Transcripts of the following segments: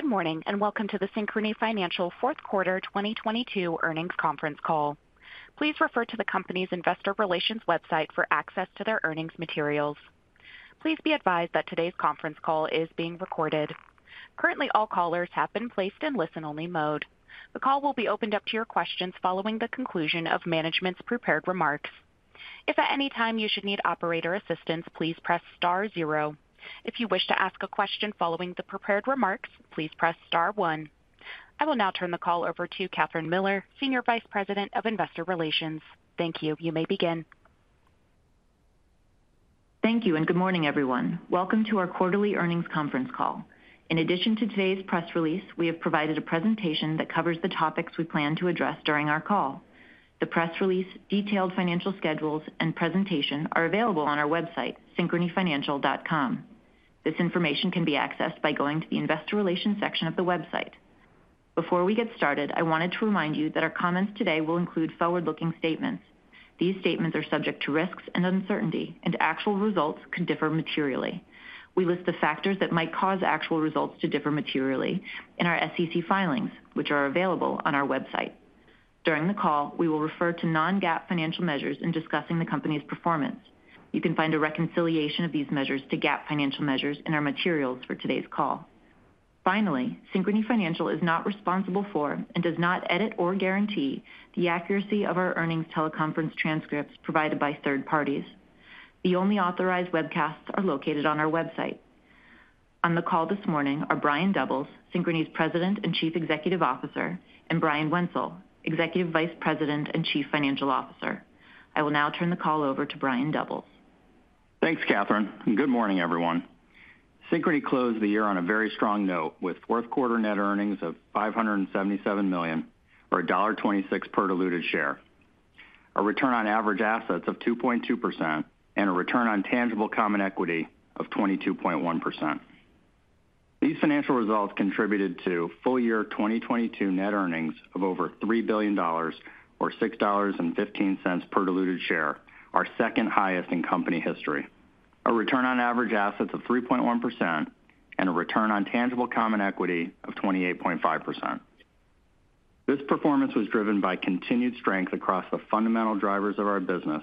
Good morning, welcome to the Synchrony Financial fourth quarter 2022 earnings conference call. Please refer to the company's investor relations website for access to their earnings materials. Please be advised that today's conference call is being recorded. Currently, all callers have been placed in listen-only mode. The call will be opened up to your questions following the conclusion of management's prepared remarks. If at any time you should need operator assistance, please press star zero. If you wish to ask a question following the prepared remarks, please press star one. I will now turn the call over to Kathryn Miller, Senior Vice President of Investor Relations. Thank you. You may begin. Thank you, and good morning, everyone. Welcome to our quarterly earnings conference call. In addition to today's press release, we have provided a presentation that covers the topics we plan to address during our call. The press release, detailed financial schedules, and presentation are available on our website, synchronyfinancial.com. This information can be accessed by going to the Investor Relations section of the website. Before we get started, I wanted to remind you that our comments today will include forward-looking statements. These statements are subject to risks and uncertainty, and actual results could differ materially. We list the factors that might cause actual results to differ materially in our SEC filings, which are available on our website. During the call, we will refer to Non-GAAP financial measures in discussing the company's performance. You can find a reconciliation of these measures to GAAP financial measures in our materials for today's call. Finally, Synchrony Financial is not responsible for and does not edit or guarantee the accuracy of our earnings teleconference transcripts provided by third parties. The only authorized webcasts are located on our website. On the call this morning are Brian Doubles, Synchrony's President and Chief Executive Officer, and Brian Wenzel Sr., Executive Vice President and Chief Financial Officer. I will now turn the call over to Brian Doubles. Thanks, Kathryn, good morning, everyone. Synchrony closed the year on a very strong note with fourth quarter net earnings of $577 million or $1.26 per diluted share, a return on average assets of 2.2% and a return on tangible common equity of 22.1%. These financial results contributed to full year 2022 net earnings of over $3 billion or $6.15 per diluted share, our second-highest in company history. A return on average assets of 3.1% and a return on tangible common equity of 28.5%. This performance was driven by continued strength across the fundamental drivers of our business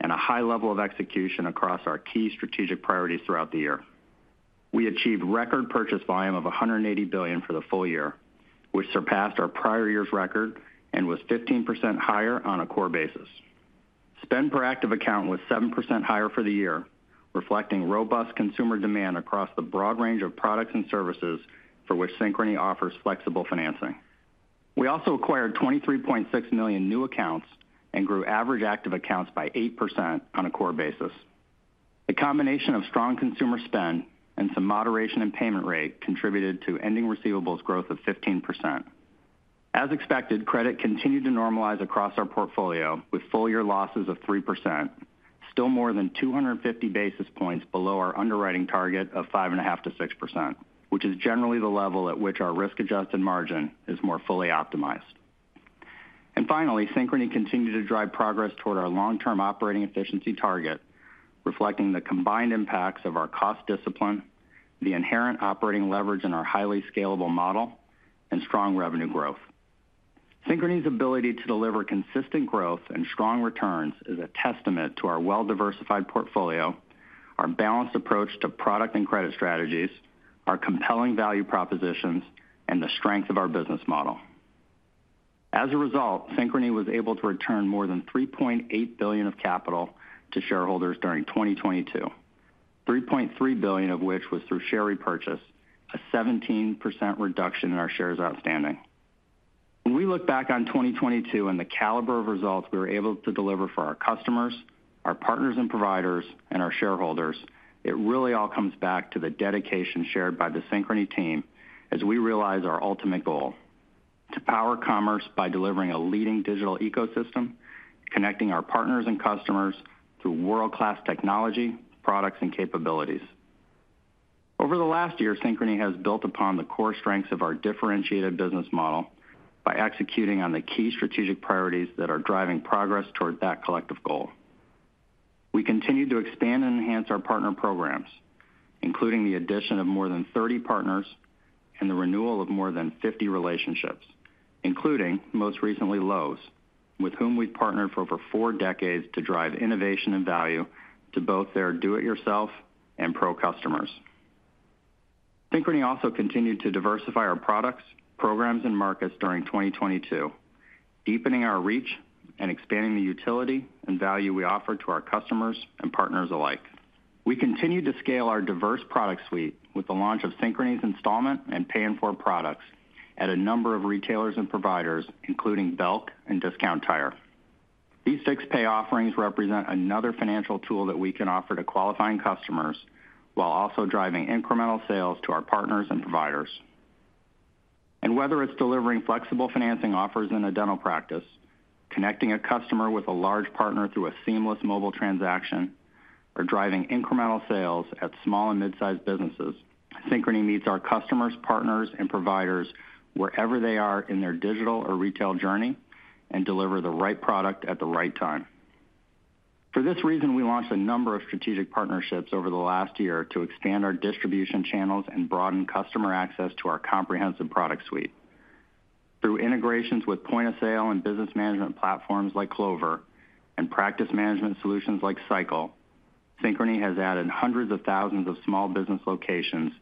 and a high level of execution across our key strategic priorities throughout the year. We achieved record purchase volume of $180 billion for the full year, which surpassed our prior year's record and was 15% higher on a core basis. Spend per active account was 7% higher for the year, reflecting robust consumer demand across the broad range of products and services for which Synchrony offers flexible financing. We also acquired 23.6 million new accounts and grew average active accounts by 8% on a core basis. The combination of strong consumer spend and some moderation in payment rate contributed to ending receivables growth of 15%. As expected, credit continued to normalize across our portfolio with full year losses of 3%, still more than 250 basis points below our underwriting target of 5.5%-6%, which is generally the level at which our risk-adjusted margin is more fully optimized. Finally, Synchrony continued to drive progress toward our long-term operating efficiency target, reflecting the combined impacts of our cost discipline, the inherent operating leverage in our highly scalable model, and strong revenue growth. Synchrony's ability to deliver consistent growth and strong returns is a testament to our well-diversified portfolio, our balanced approach to product and credit strategies, our compelling value propositions, and the strength of our business model. As a result, Synchrony was able to return more than $3.8 billion of capital to shareholders during 2022, $3.3 billion of which was through share repurchase, a 17% reduction in our shares outstanding. When we look back on 2022 and the caliber of results we were able to deliver for our customers, our partners and providers, and our shareholders, it really all comes back to the dedication shared by the Synchrony team as we realize our ultimate goal: to power commerce by delivering a leading digital ecosystem, connecting our partners and customers through world-class technology, products, and capabilities. Over the last year, Synchrony has built upon the core strengths of our differentiated business model by executing on the key strategic priorities that are driving progress toward that collective goal. We continued to expand and enhance our partner programs, including the addition of more than 30 partners and the renewal of more than 50 relationships, including most recently, Lowe's, with whom we've partnered for over four decades to drive innovation and value to both their do-it-yourself and pro customers. Synchrony also continued to diversify our products, programs, and markets during 2022, deepening our reach and expanding the utility and value we offer to our customers and partners alike. We continued to scale our diverse product suite with the launch of Synchrony's installment and Pay in four products at a number of retailers and providers, including Belk and Discount Tire. These fix-pay offerings represent another financial tool that we can offer to qualifying customers while also driving incremental sales to our partners and providers. Whether it's delivering flexible financing offers in a dental practice, connecting a customer with a large partner through a seamless mobile transaction, or driving incremental sales at small and mid-sized businesses, Synchrony meets our customers, partners, and providers wherever they are in their digital or retail journey and deliver the right product at the right time. For this reason, we launched a number of strategic partnerships over the last year to expand our distribution channels and broaden customer access to our comprehensive product suite. Through integrations with point-of-sale and business management platforms like Clover and practice management solutions like Sycle, Synchrony has added hundreds of thousands of small business locations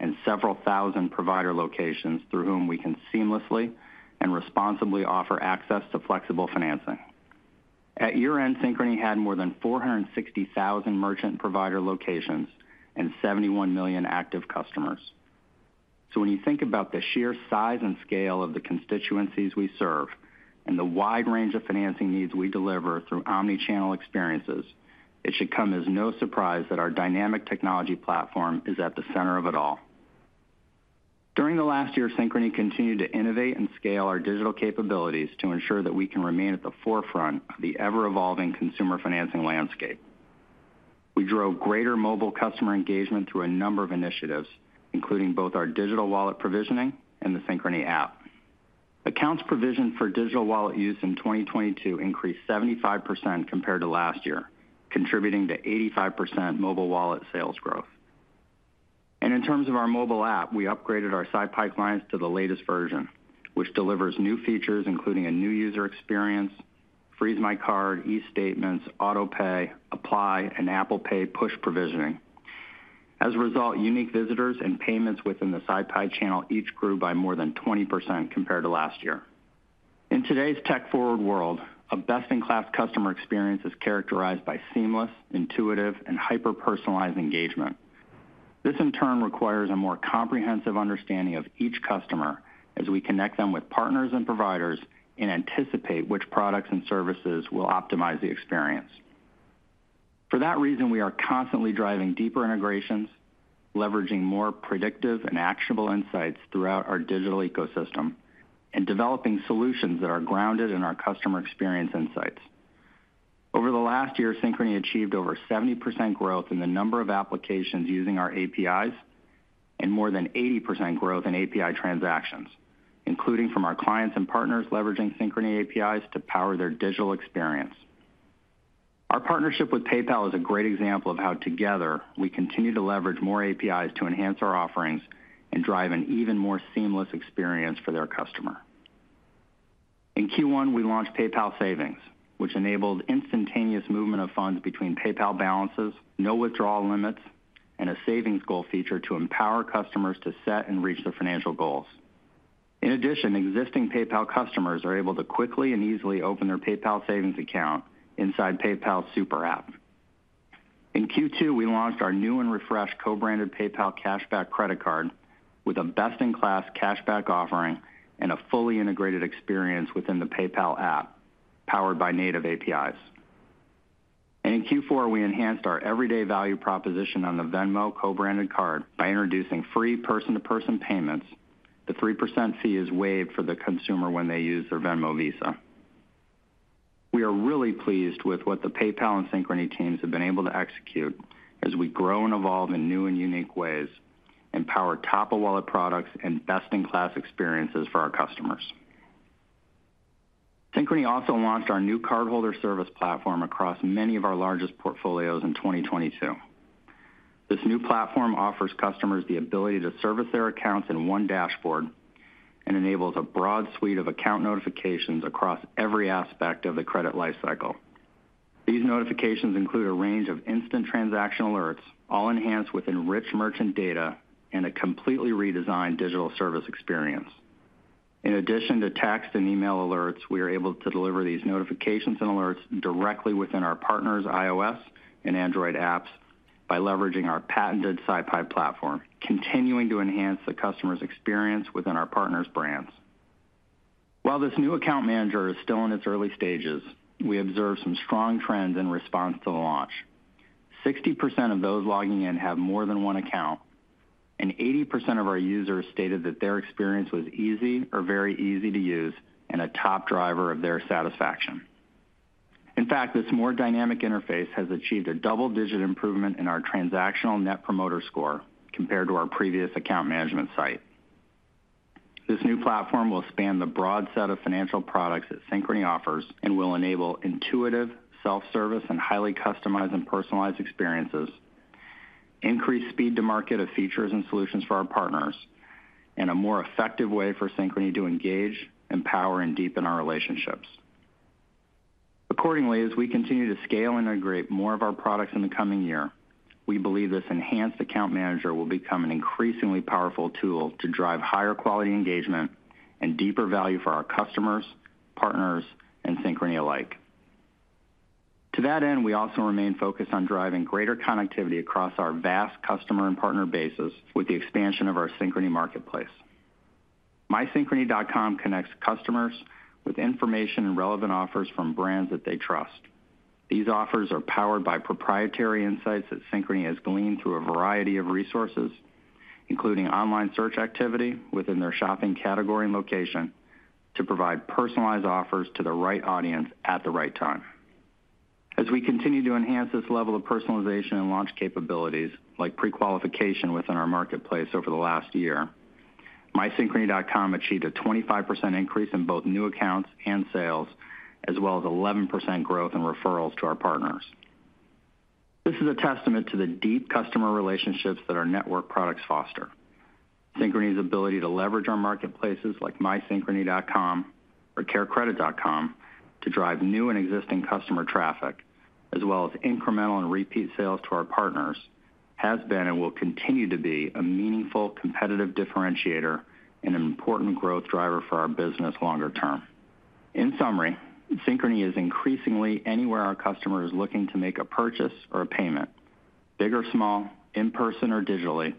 and several thousand provider locations through whom we can seamlessly and responsibly offer access to flexible financing. At year-end, Synchrony had more than 460,000 merchant provider locations and 71 million active customers. When you think about the sheer size and scale of the constituencies we serve and the wide range of financing needs we deliver through omni-channel experiences, it should come as no surprise that our dynamic technology platform is at the center of it all. During the last year, Synchrony continued to innovate and scale our digital capabilities to ensure that we can remain at the forefront of the ever-evolving consumer financing landscape. We drove greater mobile customer engagement through a number of initiatives, including both our digital wallet provisioning and the Synchrony app. Accounts provisioned for digital wallet use in 2022 increased 75% compared to last year, contributing to 85% mobile wallet sales growth. In terms of our mobile app, we upgraded our SyPi clients to the latest version, which delivers new features, including a new user experience, Freeze My Card, eStatements, Autopay, Apply, and Apple Pay Push Provisioning. As a result, unique visitors and payments within the SyPi channel each grew by more than 20% compared to last year. In today's tech-forward world, a best-in-class customer experience is characterized by seamless, intuitive, and hyper-personalized engagement. This, in turn, requires a more comprehensive understanding of each customer as we connect them with partners and providers and anticipate which products and services will optimize the experience. For that reason, we are constantly driving deeper integrations, leveraging more predictive and actionable insights throughout our digital ecosystem, and developing solutions that are grounded in our customer experience insights. Over the last year, Synchrony achieved over 70% growth in the number of applications using our APIs and more than 80% growth in API transactions, including from our clients and partners leveraging Synchrony APIs to power their digital experience. Our partnership with PayPal is a great example of how together we continue to leverage more APIs to enhance our offerings and drive an even more seamless experience for their customer. In Q1, we launched PayPal Savings, which enabled instantaneous movement of funds between PayPal balances, no withdrawal limits, and a savings goal feature to empower customers to set and reach their financial goals. In addition, existing PayPal customers are able to quickly and easily open their PayPal Savings account inside PayPal's super app. In Q2, we launched our new and refreshed co-branded PayPal Cashback Mastercard with a best-in-class cashback offering and a fully integrated experience within the PayPal app powered by native APIs. In Q4, we enhanced our everyday value proposition on the Venmo Credit Card by introducing free person-to-person payments. The 3% fee is waived for the consumer when they use their Venmo Visa. We are really pleased with what the PayPal and Synchrony teams have been able to execute as we grow and evolve in new and unique ways and power top-of-wallet products and best-in-class experiences for our customers. Synchrony also launched our new cardholder service platform across many of our largest portfolios in 2022. This new platform offers customers the ability to service their accounts in one dashboard and enables a broad suite of account notifications across every aspect of the credit life cycle. These notifications include a range of instant transaction alerts, all enhanced within rich merchant data and a completely redesigned digital service experience. In addition to text and email alerts, we are able to deliver these notifications and alerts directly within our partners' iOS and Android apps by leveraging our patented SyPi platform, continuing to enhance the customer's experience within our partners' brands. This new account manager is still in its early stages, we observed some strong trends in response to the launch. 60% of those logging in have more than one account, 80% of our users stated that their experience was easy or very easy to use and a top driver of their satisfaction. In fact, this more dynamic interface has achieved a double-digit improvement in our transactional Net Promoter Score compared to our previous account management site. This new platform will span the broad set of financial products that Synchrony offers and will enable intuitive self-service and highly customized and personalized experiences, increase speed to market of features and solutions for our partners, and a more effective way for Synchrony to engage, empower, and deepen our relationships. Accordingly, as we continue to scale and integrate more of our products in the coming year, we believe this enhanced account manager will become an increasingly powerful tool to drive higher quality engagement and deeper value for our customers, partners, and Synchrony alike. To that end, we also remain focused on driving greater connectivity across our vast customer and partner bases with the expansion of our Synchrony marketplace. MySynchrony.com connects customers with information and relevant offers from brands that they trust. These offers are powered by proprietary insights that Synchrony has gleaned through a variety of resources, including online search activity within their shopping category and location, to provide personalized offers to the right audience at the right time. As we continue to enhance this level of personalization and launch capabilities, like pre-qualification within our marketplace over the last year, MySynchrony.com achieved a 25% increase in both new accounts and sales, as well as 11% growth in referrals to our partners. This is a testament to the deep customer relationships that our network products foster. Synchrony's ability to leverage our marketplaces like MySynchrony.com or CareCredit.com to drive new and existing customer traffic as well as incremental and repeat sales to our partners has been and will continue to be a meaningful competitive differentiator and an important growth driver for our business longer term. In summary, Synchrony is increasingly anywhere our customer is looking to make a purchase or a payment. Big or small, in person or digitally,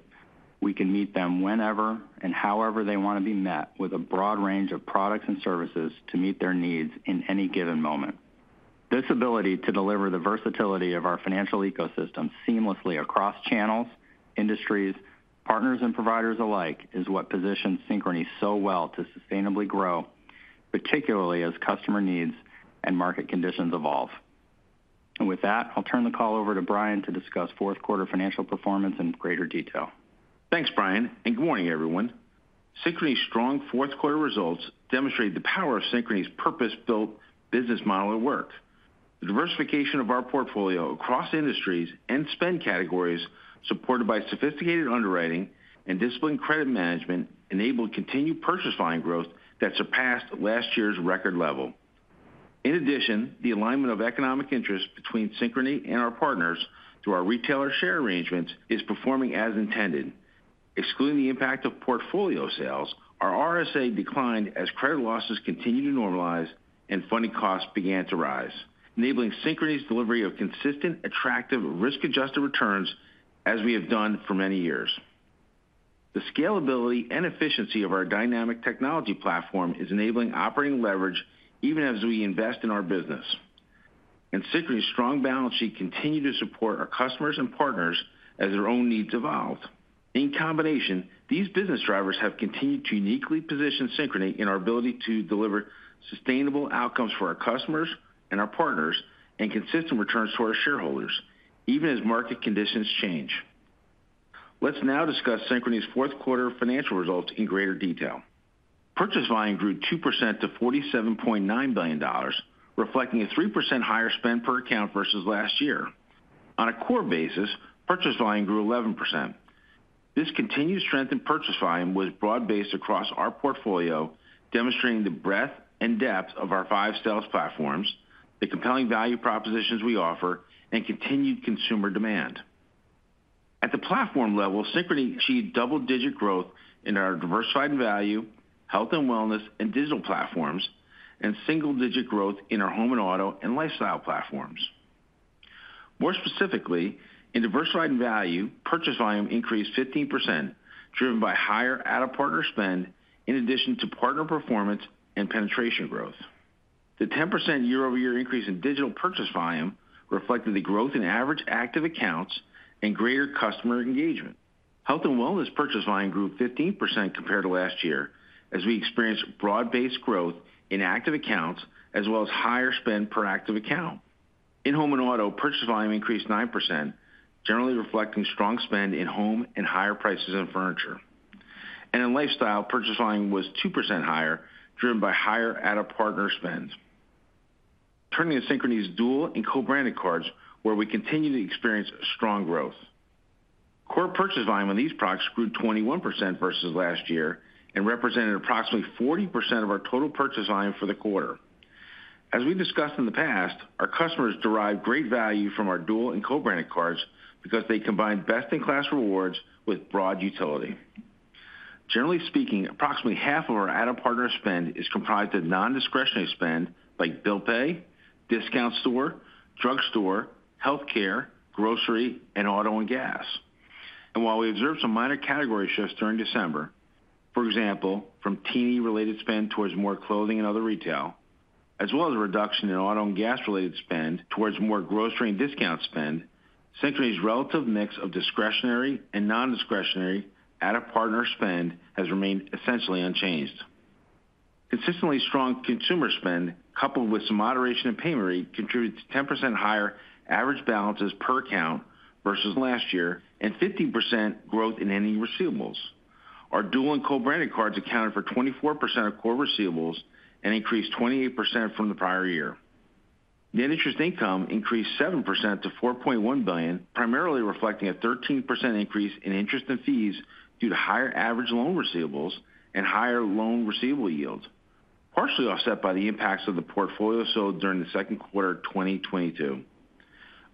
we can meet them whenever and however they want to be met with a broad range of products and services to meet their needs in any given moment. This ability to deliver the versatility of our financial ecosystem seamlessly across channels, industries, partners, and providers alike is what positions Synchrony so well to sustainably grow, particularly as customer needs and market conditions evolve. With that, I'll turn the call over to Brian to discuss fourth quarter financial performance in greater detail. Thanks, Brian. Good morning, everyone. Synchrony's strong fourth quarter results demonstrate the power of Synchrony's purpose-built business model at work. The diversification of our portfolio across industries and spend categories, supported by sophisticated underwriting and disciplined credit management, enabled continued purchase volume growth that surpassed last year's record level. In addition, the alignment of economic interest between Synchrony and our partners through our retailer share arrangements is performing as intended. Excluding the impact of portfolio sales, our RSA declined as credit losses continued to normalize and funding costs began to rise, enabling Synchrony's delivery of consistent, attractive risk-adjusted returns as we have done for many years. The scalability and efficiency of our dynamic technology platform is enabling operating leverage even as we invest in our business. Synchrony's strong balance sheet continue to support our customers and partners as their own needs evolved. In combination, these business drivers have continued to uniquely position Synchrony in our ability to deliver sustainable outcomes for our customers and our partners and consistent returns to our shareholders even as market conditions change. Let's now discuss Synchrony's fourth quarter financial results in greater detail. Purchase volume grew 2% to $47.9 billion, reflecting a 3% higher spend per account versus last year. On a core basis, purchase volume grew 11%. This continued strength in purchase volume was broad-based across our portfolio, demonstrating the breadth and depth of our five sales platforms, the compelling value propositions we offer, and continued consumer demand. At the platform level, Synchrony achieved double-digit growth in our Diversified Value, Health and Wellness, and Digital platforms, and single-digit growth in our Home and Auto and Lifestyle platforms. More specifically, in diversified value, purchase volume increased 15%, driven by higher out-of-partner spend in addition to partner performance and penetration growth. The 10% year-over-year increase in digital purchase volume reflected the growth in average active accounts and greater customer engagement. Health and wellness purchase volume grew 15% compared to last year as we experienced broad-based growth in active accounts as well as higher spend per active account. In home and auto, purchase volume increased 9%, generally reflecting strong spend in home and higher prices in furniture. In lifestyle, purchase volume was 2% higher, driven by higher out-of-partner spends. Turning to Synchrony's dual and co-branded cards, where we continue to experience strong growth. Core purchase volume on these products grew 21% versus last year and represented approximately 40% of our total purchase volume for the quarter. As we discussed in the past, our customers derive great value from our dual and co-branded cards because they combine best-in-class rewards with broad utility. Generally speaking, approximately half of our out-of-partner spend is comprised of non-discretionary spend like bill pay, discount store, drugstore, healthcare, grocery, and auto and gas. While we observed some minor category shifts during December, for example, from teeny-related spend towards more clothing and other retail, as well as a reduction in auto and gas-related spend towards more grocery and discount spend, Synchrony's relative mix of discretionary and non-discretionary out-of-partner spend has remained essentially unchanged. Consistently strong consumer spend, coupled with some moderation in payment rate, contributed to 10% higher average balances per account versus last year and 15% growth in ending receivables. Our dual and co-branded cards accounted for 24% of core receivables and increased 28% from the prior year. Net interest income increased 7% to $4.1 billion, primarily reflecting a 13% increase in interest and fees due to higher average loan receivables and higher loan receivable yields, partially offset by the impacts of the portfolio sold during the second quarter of 2022.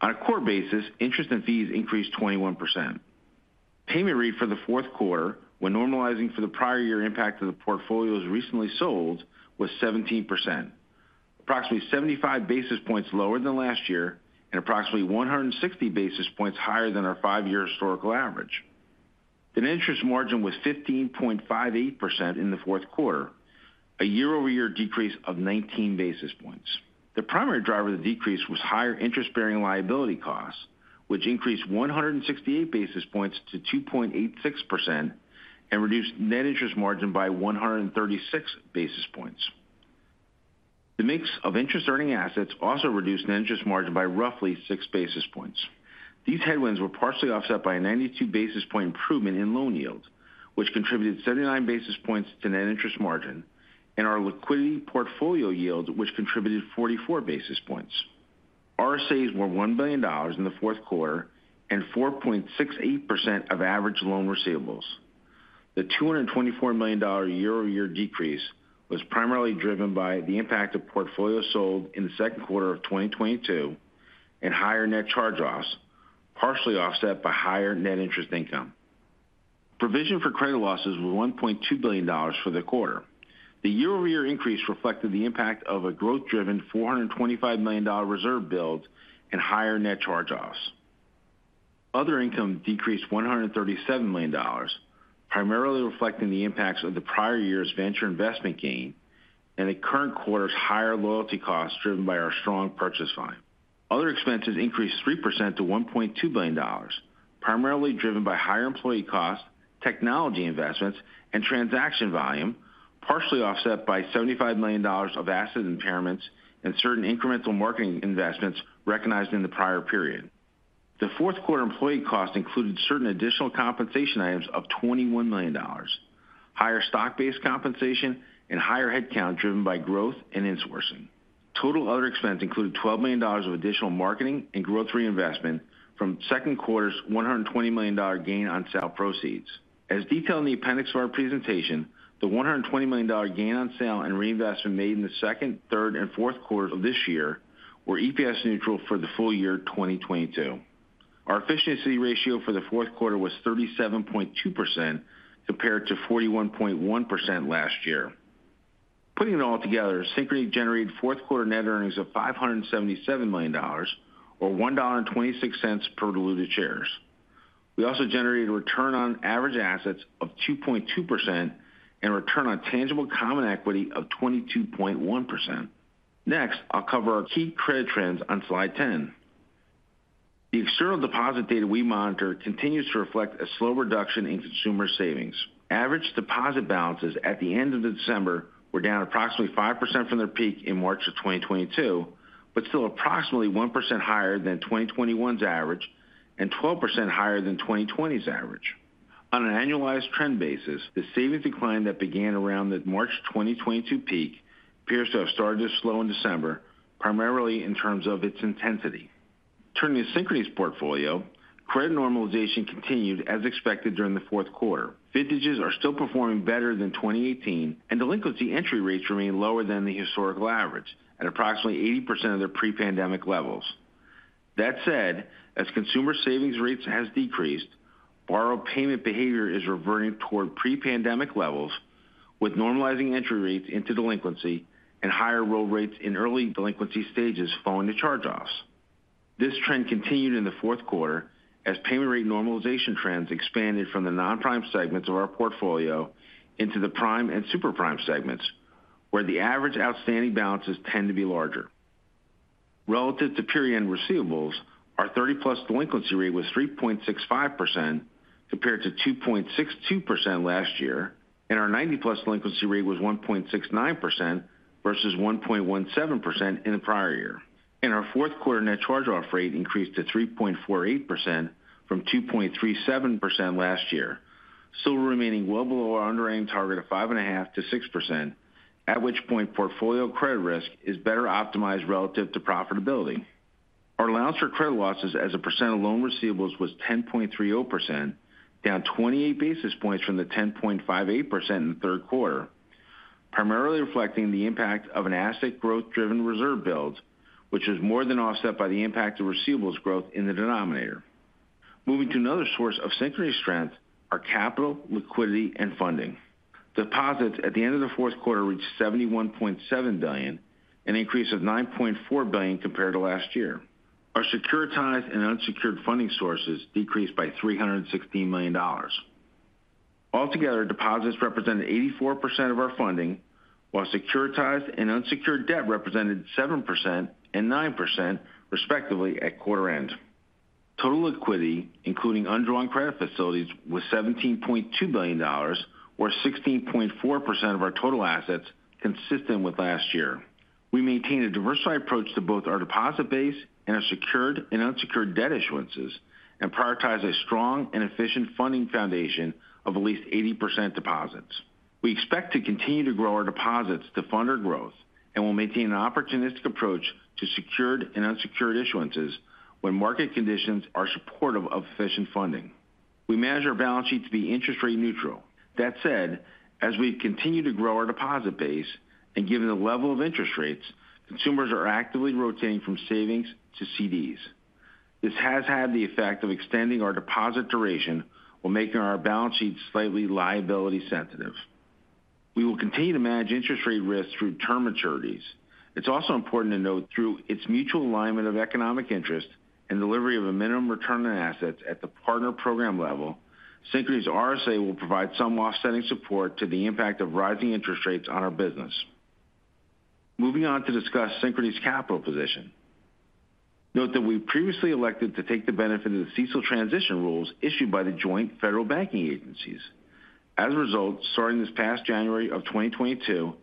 On a core basis, interest and fees increased 21%. Payment rate for the fourth quarter, when normalizing for the prior year impact of the portfolios recently sold, was 17%, approximately 75 basis points lower than last year and approximately 160 basis points higher than our five-year historical average. Net interest margin was 15.58% in the fourth quarter, a year-over-year decrease of 19 basis points. The primary driver of the decrease was higher interest-bearing liability costs, which increased 168 basis points to 2.86% and reduced net interest margin by 136 basis points. The mix of interest-earning assets also reduced net interest margin by roughly 6 basis points. These headwinds were partially offset by a 92 basis point improvement in loan yield, which contributed 79 basis points to net interest margin, and our liquidity portfolio yield, which contributed 44 basis points. RSAs were $1 billion in the fourth quarter and 4.68% of average loan receivables. The $224 million year-over-year decrease was primarily driven by the impact of portfolios sold in the second quarter of 2022 and higher net charge-offs, partially offset by higher net interest income. Provision for credit losses was $1.2 billion for the quarter. The year-over-year increase reflected the impact of a growth-driven $425 million reserve build and higher net charge-offs. Other income decreased $137 million, primarily reflecting the impacts of the prior year's venture investment gain and the current quarter's higher loyalty costs driven by our strong purchase volume. Other expenses increased 3% to $1.2 billion, primarily driven by higher employee costs, technology investments, and transaction volume, partially offset by $75 million of asset impairments and certain incremental marketing investments recognized in the prior period. The fourth quarter employee cost included certain additional compensation items of $21 million, higher stock-based compensation, and higher headcount driven by growth and insourcing. Total other expense included $12 million of additional marketing and growth reinvestment from second quarter's $120 million gain on sale proceeds. As detailed in the appendix of our presentation, the $120 million gain on sale and reinvestment made in the second, third, and fourth quarters of this year were EPS neutral for the full year 2022. Our efficiency ratio for the fourth quarter was 37.2% compared to 41.1% last year. Putting it all together, Synchrony generated fourth quarter net earnings of $577 million or $1.26 per diluted shares. We also generated return on average assets of 2.2% and return on tangible common equity of 22.1%. Next, I'll cover our key credit trends on slide 10. The external deposit data we monitor continues to reflect a slow reduction in consumer savings. Average deposit balances at the end of December were down approximately 5% from their peak in March 2022, but still approximately 1% higher than 2021's average and 12% higher than 2020's average. On an annualized trend basis, the savings decline that began around the March 2022 peak appears to have started to slow in December, primarily in terms of its intensity. Turning to Synchrony's portfolio, credit normalization continued as expected during the fourth quarter. Vintages are still performing better than 2018, and delinquency entry rates remain lower than the historical average at approximately 80% of their pre-pandemic levels. That said, as consumer savings rates has decreased, borrower payment behavior is reverting toward pre-pandemic levels with normalizing entry rates into delinquency and higher roll rates in early delinquency stages following the charge-offs. This trend continued in the fourth quarter as payment rate normalization trends expanded from the non-prime segments of our portfolio into the prime and super prime segments, where the average outstanding balances tend to be larger. Relative to period-end receivables, our 30-plus delinquency rate was 3.65% compared to 2.62% last year, and our 90-plus delinquency rate was 1.69% versus 1.17% in the prior year. Our fourth quarter net charge-off rate increased to 3.48% from 2.37% last year, still remaining well below our under aimed target of 5.5%-6%, at which point portfolio credit risk is better optimized relative to profitability. Our allowance for credit losses as a percent of loan receivables was 10.30%, down 28 basis points from the 10.58% in the third quarter. Primarily reflecting the impact of an asset growth-driven reserve build, which is more than offset by the impact of receivables growth in the denominator. Moving to another source of Synchrony strength, our capital, liquidity, and funding. Deposits at the end of the fourth quarter reached $71.7 billion, an increase of $9.4 billion compared to last year. Our securitized and unsecured funding sources decreased by $316 million. Altogether, deposits represented 84% of our funding, while securitized and unsecured debt represented 7% and 9% respectively at quarter end. Total liquidity, including undrawn credit facilities, was $17.2 billion or 16.4% of our total assets, consistent with last year. We maintain a diversified approach to both our deposit base and our secured and unsecured debt issuances and prioritize a strong and efficient funding foundation of at least 80% deposits. We expect to continue to grow our deposits to fund our growth and will maintain an opportunistic approach to secured and unsecured issuances when market conditions are supportive of efficient funding. We manage our balance sheet to be interest rate neutral. That said, as we continue to grow our deposit base and given the level of interest rates, consumers are actively rotating from savings to CDs. This has had the effect of extending our deposit duration while making our balance sheet slightly liability sensitive. We will continue to manage interest rate risk through term maturities. It's also important to note through its mutual alignment of economic interest and delivery of a minimum return on assets at the partner program level, Synchrony's RSA will provide some offsetting support to the impact of rising interest rates on our business. Moving on to discuss Synchrony's capital position. Note that we previously elected to take the benefit of the CECL transition rules issued by the joint federal banking agencies. As a result, starting this past January of 2022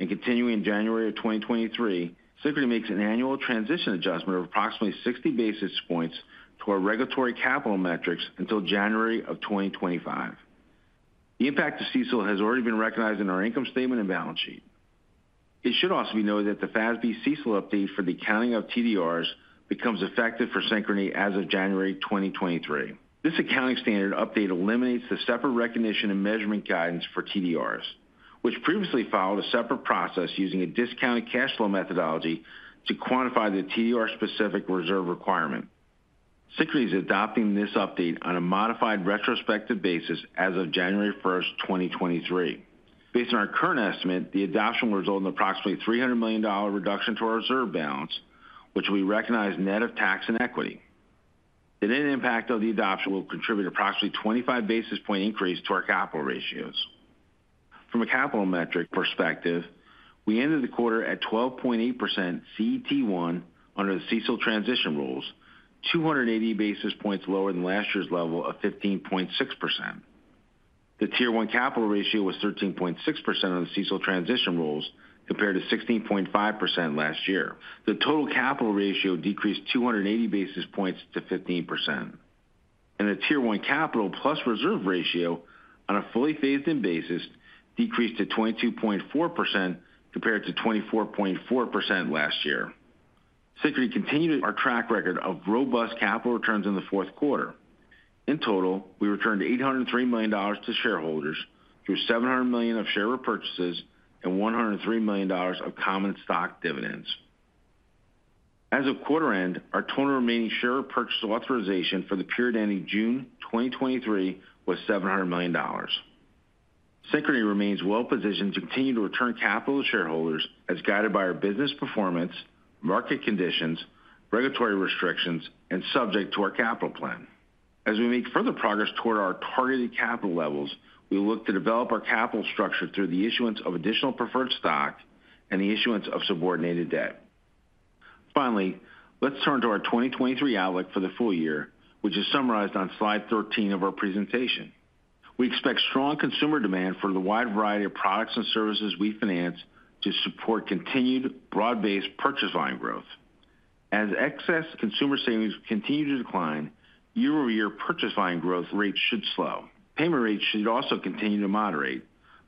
and continuing in January of 2023, Synchrony makes an annual transition adjustment of approximately 60 basis points to our regulatory capital metrics until January of 2025. The impact of CECL has already been recognized in our income statement and balance sheet. It should also be noted that the FASB CECL update for the accounting of TDRs becomes effective for Synchrony as of January 2023. This accounting standard update eliminates the separate recognition and measurement guidance for TDRs, which previously followed a separate process using a discounted cash flow methodology to quantify the TDR specific reserve requirement. Synchrony is adopting this update on a modified retrospective basis as of January 1st, 2023. Based on our current estimate, the adoption will result in approximately $300 million reduction to our reserve balance, which we recognize net of tax and equity. The net impact of the adoption will contribute approximately 25 basis point increase to our capital ratios. From a capital metric perspective, we ended the quarter at 12.8% CET1 under the CECL transition rules, 280 basis points lower than last year's level of 15.6%. The Tier 1 capital ratio was 13.6% on the CECL transition rules, compared to 16.5% last year. The total capital ratio decreased 280 basis points to 15%. The Tier 1 capital plus reserve ratio on a fully phased in basis decreased to 22.4% compared to 24.4% last year. Synchrony continued our track record of robust capital returns in the fourth quarter. In total, we returned $803 million to shareholders through $700 million of share repurchases and $103 million of common stock dividends. As of quarter end, our total remaining share purchase authorization for the period ending June 2023 was $700 million. Synchrony remains well positioned to continue to return capital to shareholders as guided by our business performance, market conditions, regulatory restrictions, and subject to our capital plan. As we make further progress toward our targeted capital levels, we look to develop our capital structure through the issuance of additional preferred stock and the issuance of subordinated debt. Let's turn to our 2023 outlook for the full year, which is summarized on slide 13 of our presentation. We expect strong consumer demand for the wide variety of products and services we finance to support continued broad-based purchase line growth. As excess consumer savings continue to decline, year-over-year purchase line growth rates should slow. Payment rates should also continue to moderate,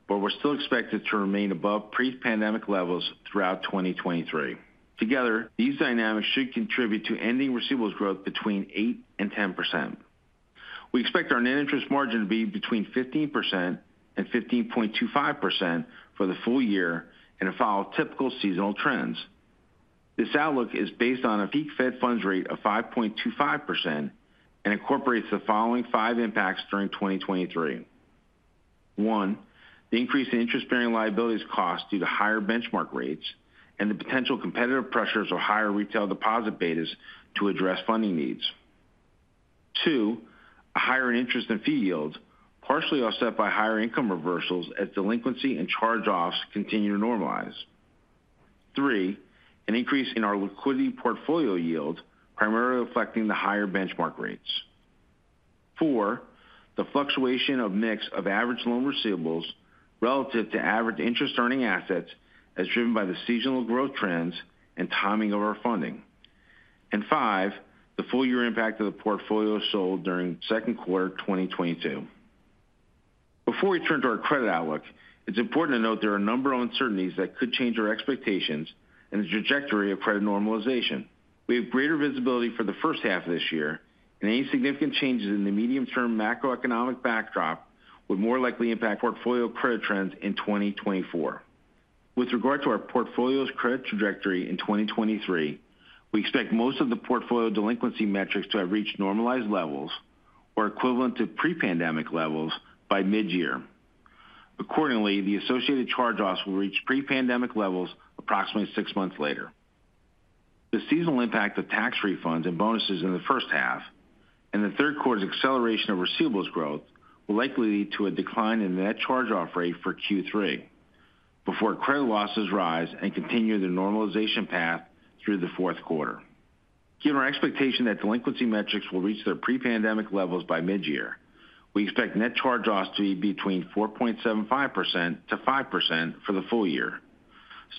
we're still expected to remain above pre-pandemic levels throughout 2023. Together, these dynamics should contribute to ending receivables growth between 8% and 10%. We expect our net interest margin to be between 15% and 15.25% for the full year and to follow typical seasonal trends. This outlook is based on a peak Fed funds rate of 5.25% and incorporates the following 5 impacts during 2023. One, the increase in interest-bearing liabilities cost due to higher benchmark rates and the potential competitive pressures or higher retail deposit betas to address funding needs. Two, a higher interest in fee yields, partially offset by higher income reversals as delinquency and charge-offs continue to normalize. Three, an increase in our liquidity portfolio yield, primarily reflecting the higher benchmark rates. Four, the fluctuation of mix of average loan receivables relative to average interest-earning assets as driven by the seasonal growth trends and timing of our funding. Five, the full year impact of the portfolio sold during second quarter 2022. Before we turn to our credit outlook, it's important to note there are a number of uncertainties that could change our expectations and the trajectory of credit normalization. We have greater visibility for the first half of this year, and any significant changes in the medium-term macroeconomic backdrop would more likely impact portfolio credit trends in 2024. With regard to our portfolio's credit trajectory in 2023, we expect most of the portfolio delinquency metrics to have reached normalized levels or equivalent to pre-pandemic levels by mid-year. Accordingly, the associated charge-offs will reach pre-pandemic levels approximately six months later. The seasonal impact of tax refunds and bonuses in the first half and the third quarter's acceleration of receivables growth will likely lead to a decline in the net charge-off rate for Q3 before credit losses rise and continue their normalization path through the fourth quarter. Given our expectation that delinquency metrics will reach their pre-pandemic levels by mid-year, we expect net charge-offs to be between 4.75%-5% for the full year,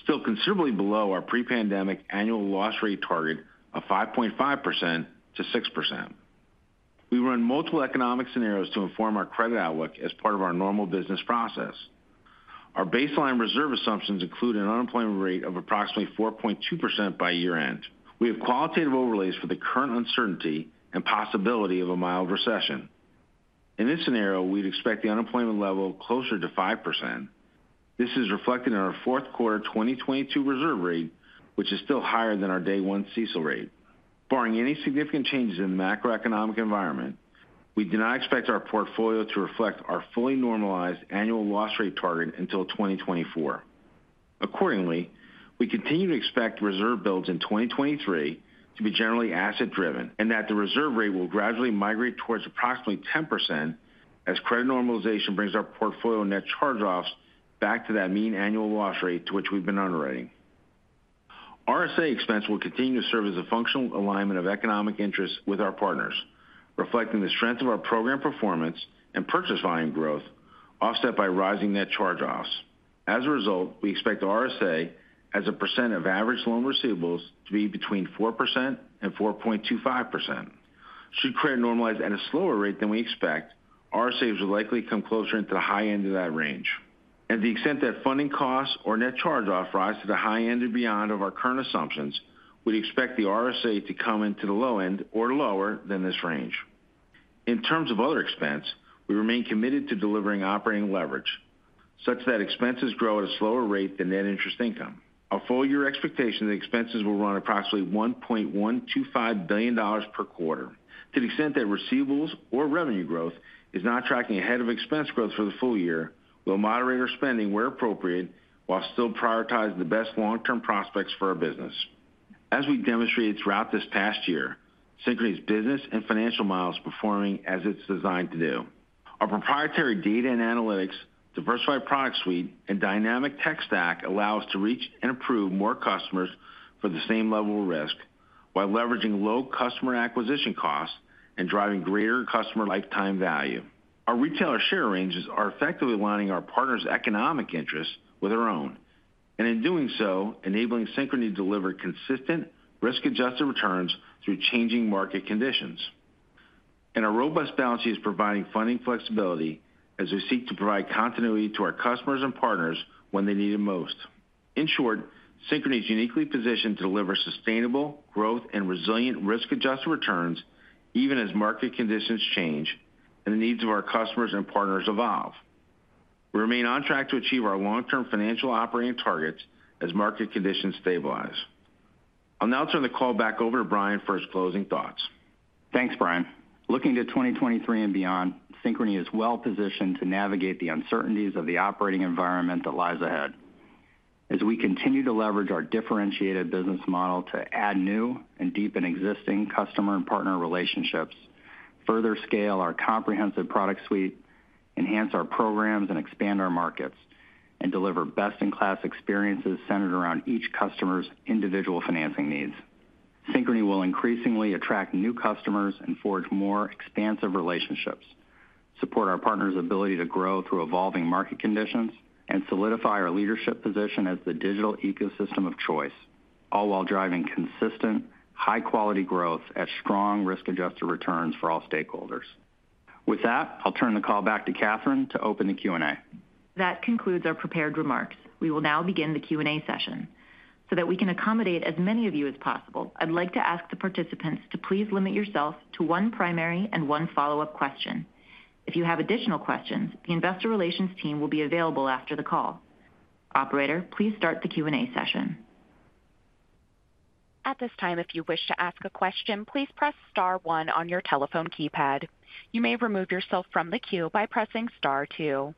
still considerably below our pre-pandemic annual loss rate target of 5.5%-6%. We run multiple economic scenarios to inform our credit outlook as part of our normal business process. Our baseline reserve assumptions include an unemployment rate of approximately 4.2% by year-end. We have qualitative overlays for the current uncertainty and possibility of a mild recession. In this scenario, we'd expect the unemployment level closer to 5%. This is reflected in our Q4 2022 reserve rate, which is still higher than our day one CECL rate. Barring any significant changes in the macroeconomic environment, we do not expect our portfolio to reflect our fully normalized annual loss rate target until 2024. We continue to expect reserve builds in 2023 to be generally asset driven, and that the reserve rate will gradually migrate towards approximately 10% as credit normalization brings our portfolio net charge-offs back to that mean annual loss rate to which we've been underwriting. RSA expense will continue to serve as a functional alignment of economic interests with our partners, reflecting the strength of our program performance and purchase volume growth offset by rising net charge-offs. We expect the RSA as a percent of average loan receivables to be between 4% and 4.25%. Should credit normalize at a slower rate than we expect, RSAs will likely come closer into the high end of that range. The extent that funding costs or net charge-off rise to the high end or beyond of our current assumptions, we expect the RSA to come into the low end or lower than this range. In terms of other expense, we remain committed to delivering operating leverage such that expenses grow at a slower rate than net interest income. Our full year expectation that expenses will run approximately $1.125 billion per quarter. To the extent that receivables or revenue growth is not tracking ahead of expense growth for the full year, we'll moderate our spending where appropriate while still prioritizing the best long-term prospects for our business. As we demonstrated throughout this past year, Synchrony's business and financial model is performing as it's designed to do. Our proprietary data and analytics, diversified product suite, and dynamic tech stack allow us to reach and approve more customers for the same level of risk while leveraging low customer acquisition costs and driving greater customer lifetime value. Our retailer share ranges are effectively aligning our partners' economic interests with our own, and in doing so, enabling Synchrony to deliver consistent risk-adjusted returns through changing market conditions. Our robust balance sheet is providing funding flexibility as we seek to provide continuity to our customers and partners when they need it most. In short, Synchrony is uniquely positioned to deliver sustainable growth and resilient risk-adjusted returns even as market conditions change and the needs of our customers and partners evolve. We remain on track to achieve our long-term financial operating targets as market conditions stabilize. I'll now turn the call back over to Brian for his closing thoughts. Thanks, Brian. Looking to 2023 and beyond, Synchrony is well positioned to navigate the uncertainties of the operating environment that lies ahead. As we continue to leverage our differentiated business model to add new and deepen existing customer and partner relationships, further scale our comprehensive product suite, enhance our programs, and expand our markets, and deliver best-in-class experiences centered around each customer's individual financing needs. Synchrony will increasingly attract new customers and forge more expansive relationships, support our partners' ability to grow through evolving market conditions, and solidify our leadership position as the digital ecosystem of choice, all while driving consistent, high quality growth at strong risk-adjusted returns for all stakeholders. With that, I'll turn the call back to Kathrn to open the Q&A. That concludes our prepared remarks. We will now begin the Q&A session. That we can accommodate as many of you as possible, I'd like to ask the participants to please limit yourself to one primary and one follow-up question. If you have additional questions, the investor relations team will be available after the call. Operator, please start the Q&A session. At this time, if you wish to ask a question, please press star one on your telephone keypad. You may remove yourself from the queue by pressing star two.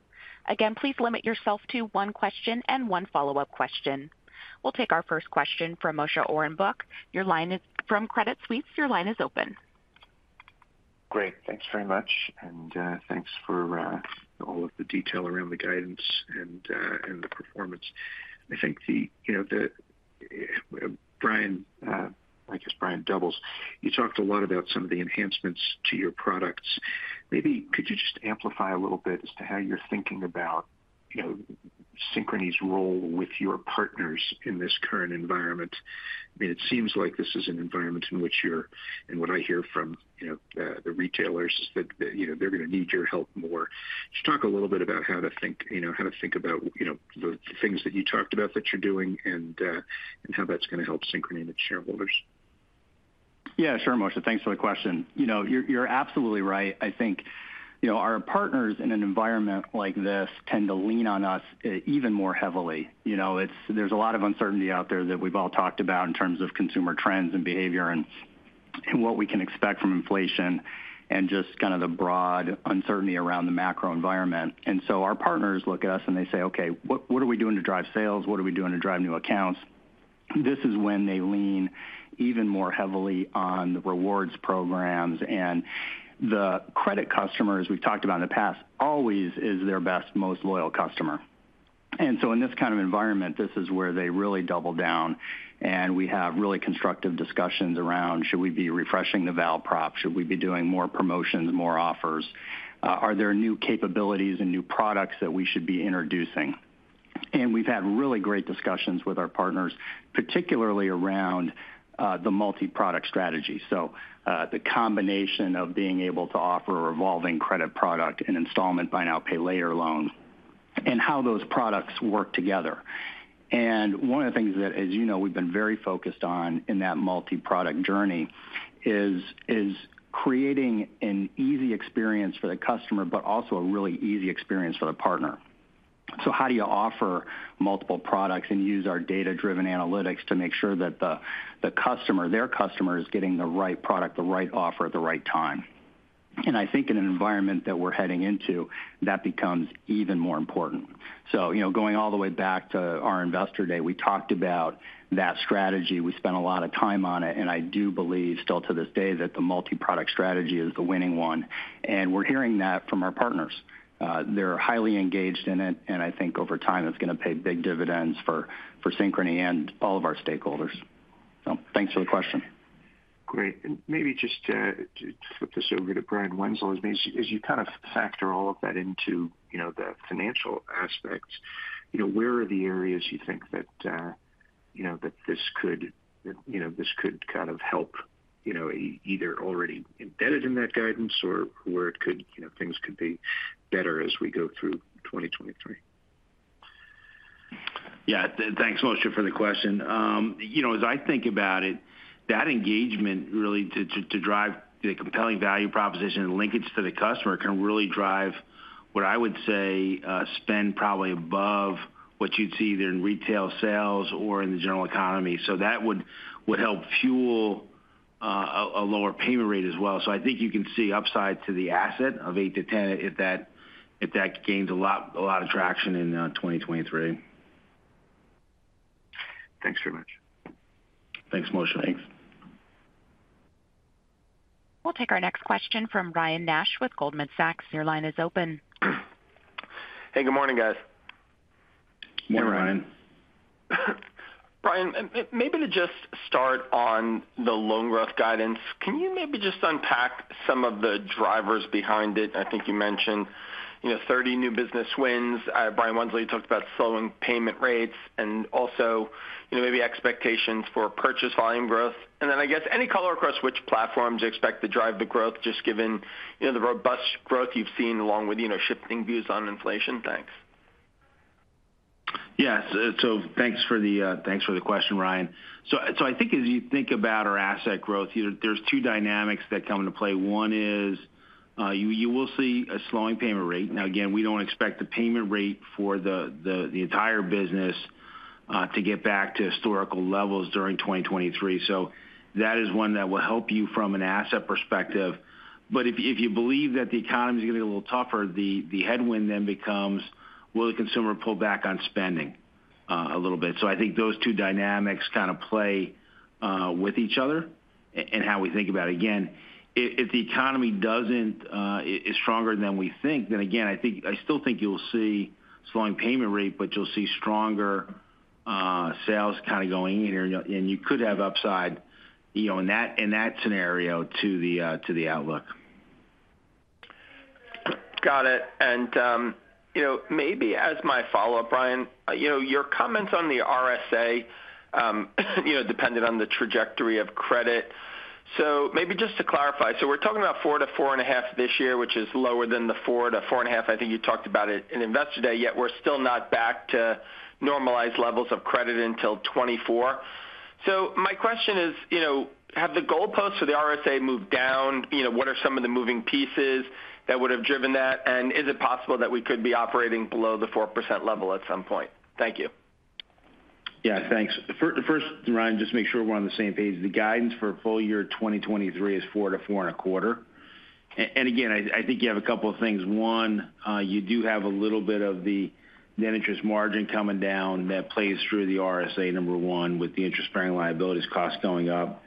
Again, please limit yourself to one question and one follow-up question. We'll take our first question from Moshe Orenbuch from Credit Suisse. Your line is open. Great. Thanks very much, and thanks for all of the detail around the guidance and the performance. I think the, you know, Brian, I guess Brian Doubles, you talked a lot about some of the enhancements to your products. Maybe could you just amplify a little bit as to how you're thinking about, you know, Synchrony's role with your partners in this current environment? I mean, it seems like this is an environment in which you're, and what I hear from, you know, the retailers is that, you know, they're gonna need your help more. Just talk a little bit about how to think, you know, how to think about, you know, the things that you talked about that you're doing and how that's gonna help Synchrony and its shareholders? Sure, Moshe. Thanks for the question. You know, you're absolutely right. I think, you know, our partners in an environment like this tend to lean on us even more heavily. You know, it's there's a lot of uncertainty out there that we've all talked about in terms of consumer trends and behavior and what we can expect from inflation and just kind of the broad uncertainty around the macro environment. Our partners look at us and they say, "Okay, what are we doing to drive sales? What are we doing to drive new accounts?" This is when they lean even more heavily on the rewards programs. The credit customer, as we've talked about in the past, always is their best, most loyal customer. In this kind of environment, this is where they really double down, and we have really constructive discussions around should we be refreshing the val prop? Should we be doing more promotions, more offers? Are there new capabilities and new products that we should be introducing? We've had really great discussions with our partners, particularly around the multi-product strategy. The combination of being able to offer a revolving credit product an installment Buy Now, Pay Later loan, and how those products work together. One of the things that, as you know, we've been very focused on in that multi-product journey is creating an easy experience for the customer but also a really easy experience for the partner. How do you offer multiple products and use our data-driven analytics to make sure that the customer, their customer is getting the right product, the right offer at the right time? I think in an environment that we're heading into, that becomes even more important. You know, going all the way back to our investor day, we talked about that strategy. We spent a lot of time on it, and I do believe still to this day that the multi-product strategy is the winning one. We're hearing that from our partners. They're highly engaged in it, and I think over time it's gonna pay big dividends for Synchrony and all of our stakeholders. Thanks for the question. Great. Maybe just to flip this over to Brian Wenzel. I mean, as you kind of factor all of that into, you know, the financial aspects, you know, where are the areas you think that, you know, that this could, you know, this could kind of help, you know, either already embedded in that guidance or where it could, you know, things could be better as we go through 2023? Yeah. Thanks, Moshe, for the question. You know, as I think about it, that engagement really to drive the compelling value proposition and linkage to the customer can really drive what I would say, spend probably above what you'd see either in retail sales or in the general economy. That would help fuel a lower payment rate as well. I think you can see upside to the asset of eight to 10 if that gains a lot of traction in 2023. Thanks very much. Thanks, Moshe. Thanks. We'll take our next question from Ryan Nash with Goldman Sachs. Your line is open. Hey, good morning, guys. Good morning. Brian, maybe to just start on the loan growth guidance, can you maybe just unpack some of the drivers behind it? I think you mentioned, you know, 30 new business wins. Brian Wenzel talked about slowing payment rates and also, you know, maybe expectations for purchase volume growth. I guess any color across which platforms you expect to drive the growth just given, you know, the robust growth you've seen along with, you know, shifting views on inflation. Thanks. Yes. Thanks for the thanks for the question, Ryan. I think as you think about our asset growth, you know, there's two dynamics that come into play. One is, you will see a slowing payment rate. Now, again, we don't expect the payment rate for the entire business to get back to historical levels during 2023. That is one that will help you from an asset perspective. If you believe that the economy is going to get a little tougher, the headwind then becomes will the consumer pull back on spending a little bit? I think those two dynamics kind of play with each other and how we think about it. If the economy doesn't, is stronger than we think, then again, I still think you'll see slowing payment rate, but you'll see stronger, sales kind of going in. You could have upside, you know, in that, in that scenario to the, to the outlook. Got it. You know, maybe as my follow-up, Brian, you know, your comments on the RSA, you know, depended on the trajectory of credit. Maybe just to clarify. We're talking about 4% to 4.5% this year, which is lower than the 4% to 4.5% I think you talked about at Investor Day, yet we're still not back to normalized levels of credit until 2024. My question is, you know, have the goalposts for the RSA moved down? You know, what are some of the moving pieces that would have driven that? And is it possible that we could be operating below the 4% level at some point? Thank you. Yeah, thanks. First, Ryan, just make sure we're on the same page. The guidance for full year 2023 is 4%-4.25%. Again, I think you have a couple of things. One, you do have a little bit of the net interest margin coming down that plays through the RSA, number one, with the interest bearing liabilities costs going up.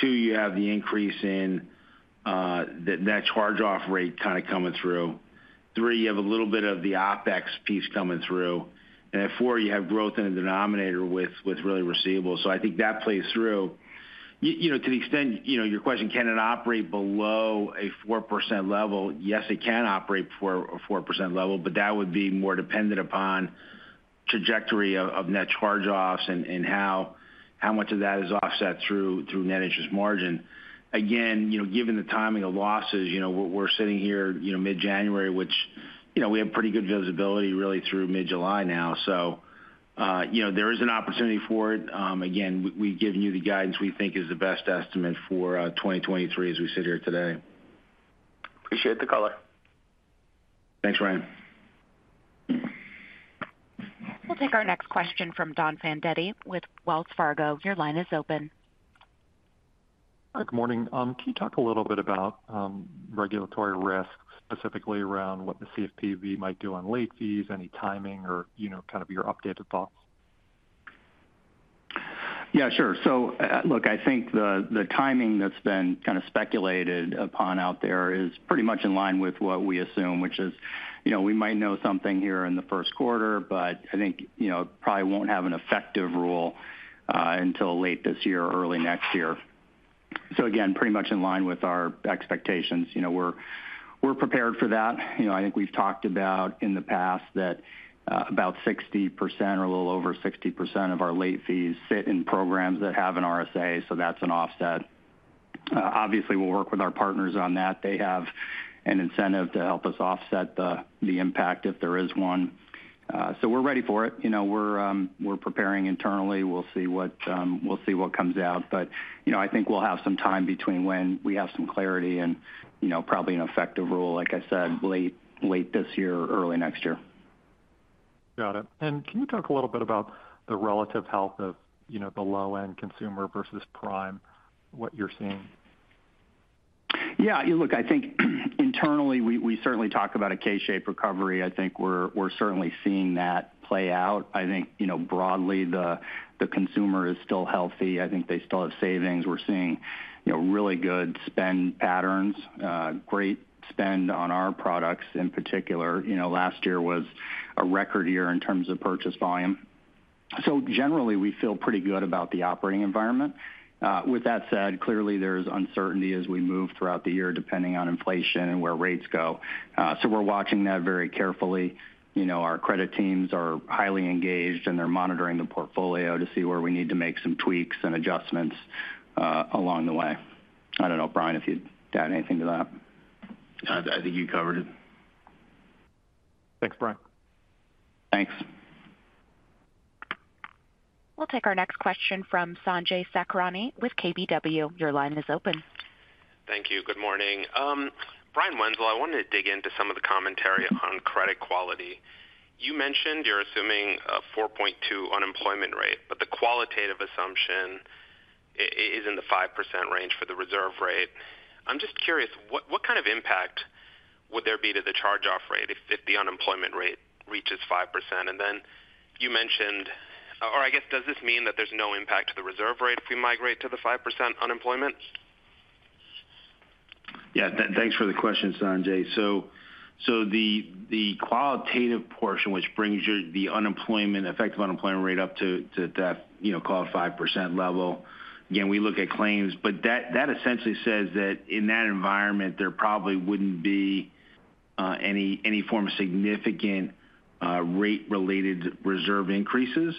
Two, you have the increase in the net charge-off rate kind of coming through. Three, you have a little bit of the OpEx piece coming through. Then four, you have growth in the denominator with really receivables. I think that plays through. You know, to the extent, you know, your question, can it operate below a 4% level? Yes, it can operate for a 4% level, but that would be more dependent upon trajectory of net charge-offs and how much of that is offset through net interest margin. Again, you know, given the timing of losses, you know, we're sitting here, you know, mid-January, which, you know, we have pretty good visibility really through mid-July now. You know, there is an opportunity for it. Again, we've given you the guidance we think is the best estimate for 2023 as we sit here today. Appreciate the color. Thanks, Ryan. We'll take our next question from Don Fandetti with Wells Fargo. Your line is open. Good morning. Can you talk a little bit about, regulatory risk, specifically around what the CFPB might do on late fees, any timing or, you know, kind of your updated thoughts? Yeah, sure. Look, I think the timing that's been kind of speculated upon out there is pretty much in line with what we assume, which is, you know, we might know something here in the first quarter, but I think, you know, probably won't have an effective rule until late this year or early next year. Again, pretty much in line with our expectations. You know, we're prepared for that. You know, I think we've talked about in the past that about 60% or a little over 60% of our late fees sit in programs that have an RSA, so that's an offset. Obviously, we'll work with our partners on that. They have an incentive to help us offset the impact if there is one. We're ready for it. You know, we're preparing internally. We'll see what, we'll see what comes out. You know, I think we'll have some time between when we have some clarity and, you know, probably an effective rule, like I said, late this year or early next year. Got it. Can you talk a little bit about the relative health of, you know, the low-end consumer versus prime, what you're seeing? Look, I think internally, we certainly talk about a K-shaped recovery. I think we're certainly seeing that play out. I think, you know, broadly, the consumer is still healthy. I think they still have savings. We're seeing, you know, really good spend patterns, great spend on our products in particular. You know, last year was a record year in terms of purchase volume. Generally, we feel pretty good about the operating environment. With that said, clearly there's uncertainty as we move throughout the year, depending on inflation and where rates go. We're watching that very carefully. You know, our credit teams are highly engaged, and they're monitoring the portfolio to see where we need to make some tweaks and adjustments, along the way. I don't know, Brian, if you'd add anything to that. I think you covered it. Thanks, Brian. Thanks. We'll take our next question from Sanjay Sakhrani with KBW. Your line is open. Thank you. Good morning. Brian Wenzel, I wanted to dig into some of the commentary on credit quality. You mentioned you're assuming a 4.2% unemployment rate, but the qualitative assumption is in the 5% range for the reserve rate. I'm just curious, what kind of impact would there be to the charge-off rate if the unemployment rate reaches 5%? I guess, does this mean that there's no impact to the reserve rate if we migrate to the 5% unemployment? Yeah, thanks for the question, Sanjay. The qualitative portion, which brings you the unemployment, effective unemployment rate up to that, you know, called 5% level. Again, we look at claims, but that essentially says that in that environment, there probably wouldn't be any form of significant rate-related reserve increases.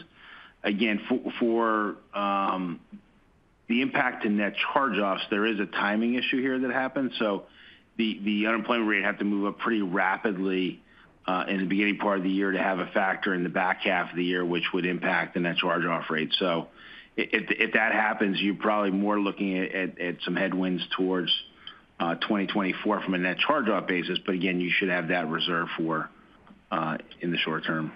Again, for the impact to net charge-offs, there is a timing issue here that happens. The unemployment rate would have to move up pretty rapidly in the beginning part of the year to have a factor in the back half of the year, which would impact the net charge-off rate. If that happens, you're probably more looking at some headwinds towards 2024 from a net charge-off basis. Again, you should have that reserve for in the short term.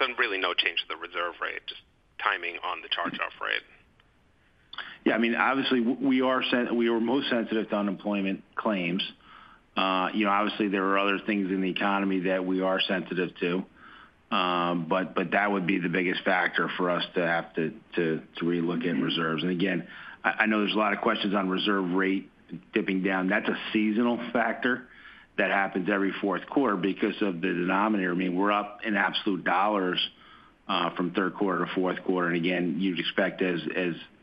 Okay. really no change to the reserve rate, just timing on the charge-off rate. Yeah. I mean, obviously we are most sensitive to unemployment claims. you know, obviously there are other things in the economy that we are sensitive to. That would be the biggest factor for us to have to relook at reserves. Again, I know there's a lot of questions on reserve rate dipping down. That's a seasonal factor that happens every fourth quarter because of the denominator. I mean, we're up in absolute dollars from third quarter to fourth quarter. Again, you'd expect as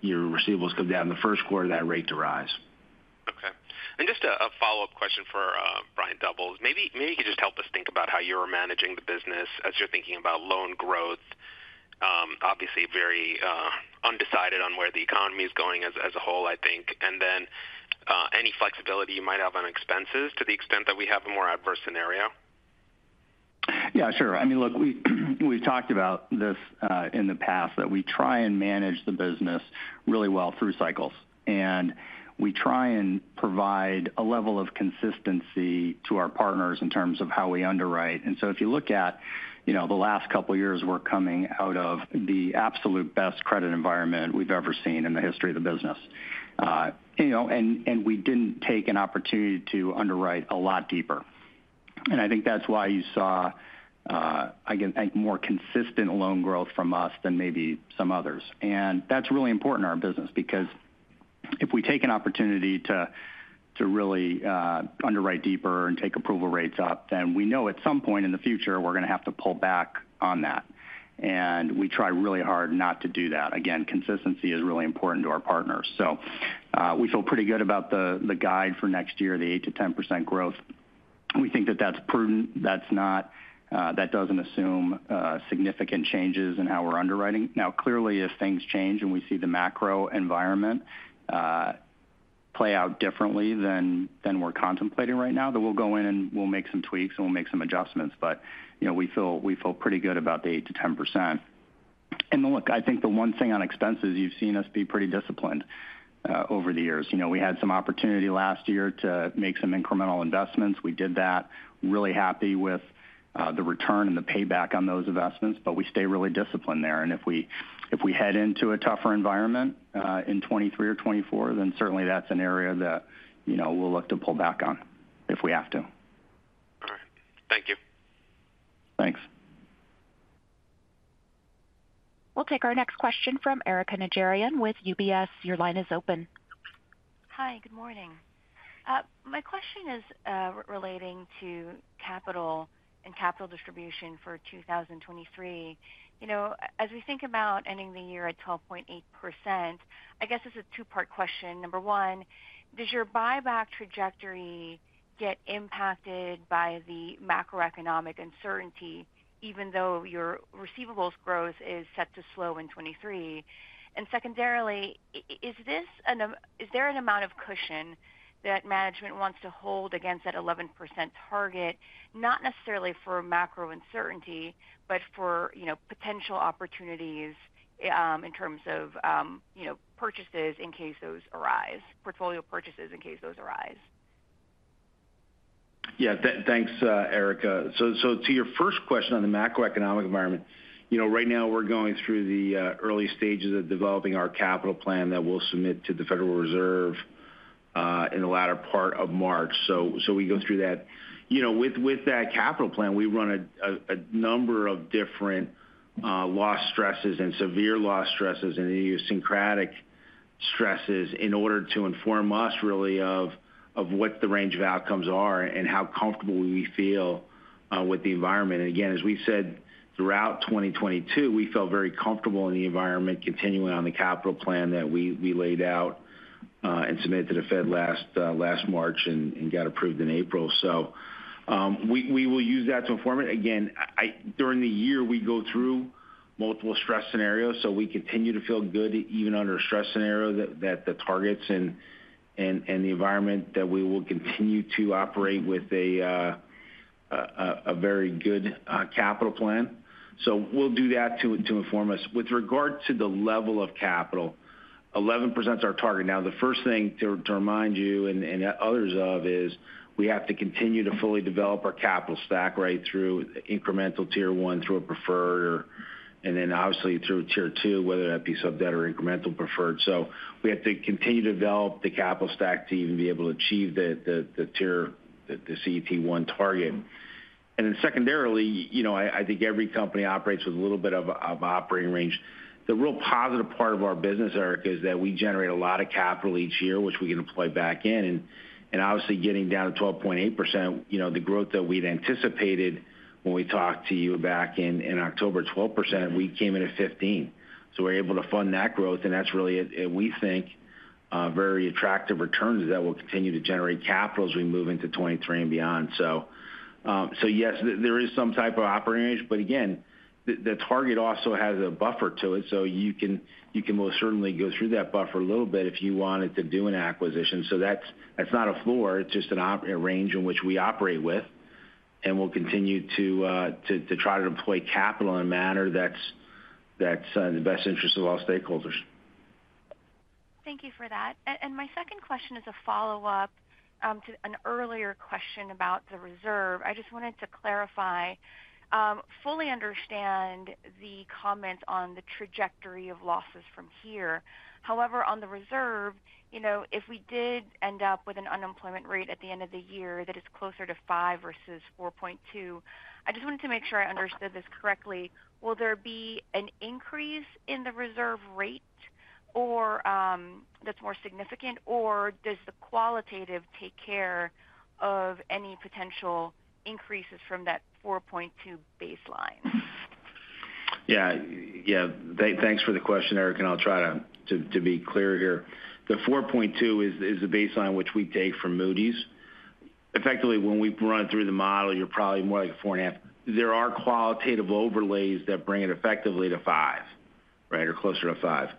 your receivables come down in the first quarter, that rate to rise. Okay. Just a follow-up question for Brian Doubles. Maybe you could just help us think about how you're managing the business as you're thinking about loan growth? Obviously very undecided on where the economy is going as a whole, I think. Any flexibility you might have on expenses to the extent that we have a more adverse scenario? Yeah, sure. I mean, look, we've talked about this in the past, that we try and manage the business really well through cycles. We try and provide a level of consistency to our partners in terms of how we underwrite. If you look at, you know, the last couple of years, we're coming out of the absolute best credit environment we've ever seen in the history of the business. You know, and we didn't take an opportunity to underwrite a lot deeper. I think that's why you saw, again, I think more consistent loan growth from us than maybe some others. That's really important in our business because if we take an opportunity to really underwrite deeper and take approval rates up, then we know at some point in the future, we're going to have to pull back on that. We try really hard not to do that. Again, consistency is really important to our partners. We feel pretty good about the guide for next year, the 8%-10% growth. We think that that's prudent. That's not that doesn't assume significant changes in how we're underwriting. Clearly, if things change and we see the macro environment play out differently than we're contemplating right now, then we'll go in and we'll make some tweaks and we'll make some adjustments. You know, we feel pretty good about the 8%-10%. Look, I think the one thing on expenses, you've seen us be pretty disciplined over the years. You know, we had some opportunity last year to make some incremental investments. We did that. Really happy with the return and the payback on those investments, but we stay really disciplined there. If we, if we head into a tougher environment in 2023 or 2024, then certainly that's an area that, you know, we'll look to pull back on if we have to. All right. Thank you. Thanks. We'll take our next question from Erika Najarian with UBS. Your line is open. Hi, good morning. My question is relating to capital and capital distribution for 2023. You know, as we think about ending the year at 12.8%, I guess it's a two-part question. Number one, does your buyback trajectory get impacted by the macroeconomic uncertainty, even though your receivables growth is set to slow in 2023? Secondarily, is there an amount of cushion that management wants to hold against that 11% target, not necessarily for macro uncertainty, but for, you know, potential opportunities, in terms of, you know, purchases in case those arise, portfolio purchases in case those arise? Yeah. Thanks, Erika. To your first question on the macroeconomic environment. You know, right now we're going through the early stages of developing our capital plan that we'll submit to the Federal Reserve in the latter part of March. We go through that. You know, with that capital plan, we run a number of different loss stresses and severe loss stresses and idiosyncratic stresses in order to inform us really of what the range of outcomes are and how comfortable we feel with the environment. Again, as we said throughout 2022, we felt very comfortable in the environment continuing on the capital plan that we laid out and submitted to the Fed last March and got approved in April. We will use that to inform it. Again, during the year, we go through multiple stress scenarios, so we continue to feel good even under a stress scenario that the targets and the environment that we will continue to operate with a very good capital plan. We'll do that to inform us. With regard to the level of capital, 11%'s our target. Now, the first thing to remind you and others of is we have to continue to fully develop our capital stack right through incremental Tier one through a preferred, and then obviously through Tier two, whether that be sub-debt or incremental preferred. We have to continue to develop the capital stack to even be able to achieve the tier, the CET one target. Secondarily, you know, I think every company operates with a little bit of operating range. The real positive part of our business, Erika, is that we generate a lot of capital each year, which we can deploy back in. Obviously getting down to 12.8%, you know, the growth that we'd anticipated when we talked to you back in October, 12%, we came in at 15%. We're able to fund that growth, and that's really it. We think very attractive returns that will continue to generate capital as we move into 2023 and beyond. Yes, there is some type of operating range. Again, the target also has a buffer to it. You can most certainly go through that buffer a little bit if you wanted to do an acquisition. That's, that's not a floor, it's just a range in which we operate with. We'll continue to try to deploy capital in a manner that's in the best interest of all stakeholders. Thank you for that. My second question is a follow-up to an earlier question about the reserve. I just wanted to clarify. Fully understand the comments on the trajectory of losses from here. However, on the reserve, you know, if we did end up with an unemployment rate at the end of the year that is closer to five versus 4.2, I just wanted to make sure I understood this correctly. Will there be an increase in the reserve rate or that's more significant? Does the qualitative take care of any potential increases from that 4.2 baseline? Yeah. Yeah. Thanks for the question, Erika, I'll try to be clear here. The 4.2 is the baseline which we take from Moody's. Effectively, when we run through the model, you're probably more like 4.5. There are qualitative overlays that bring it effectively to five, right? Closer to five.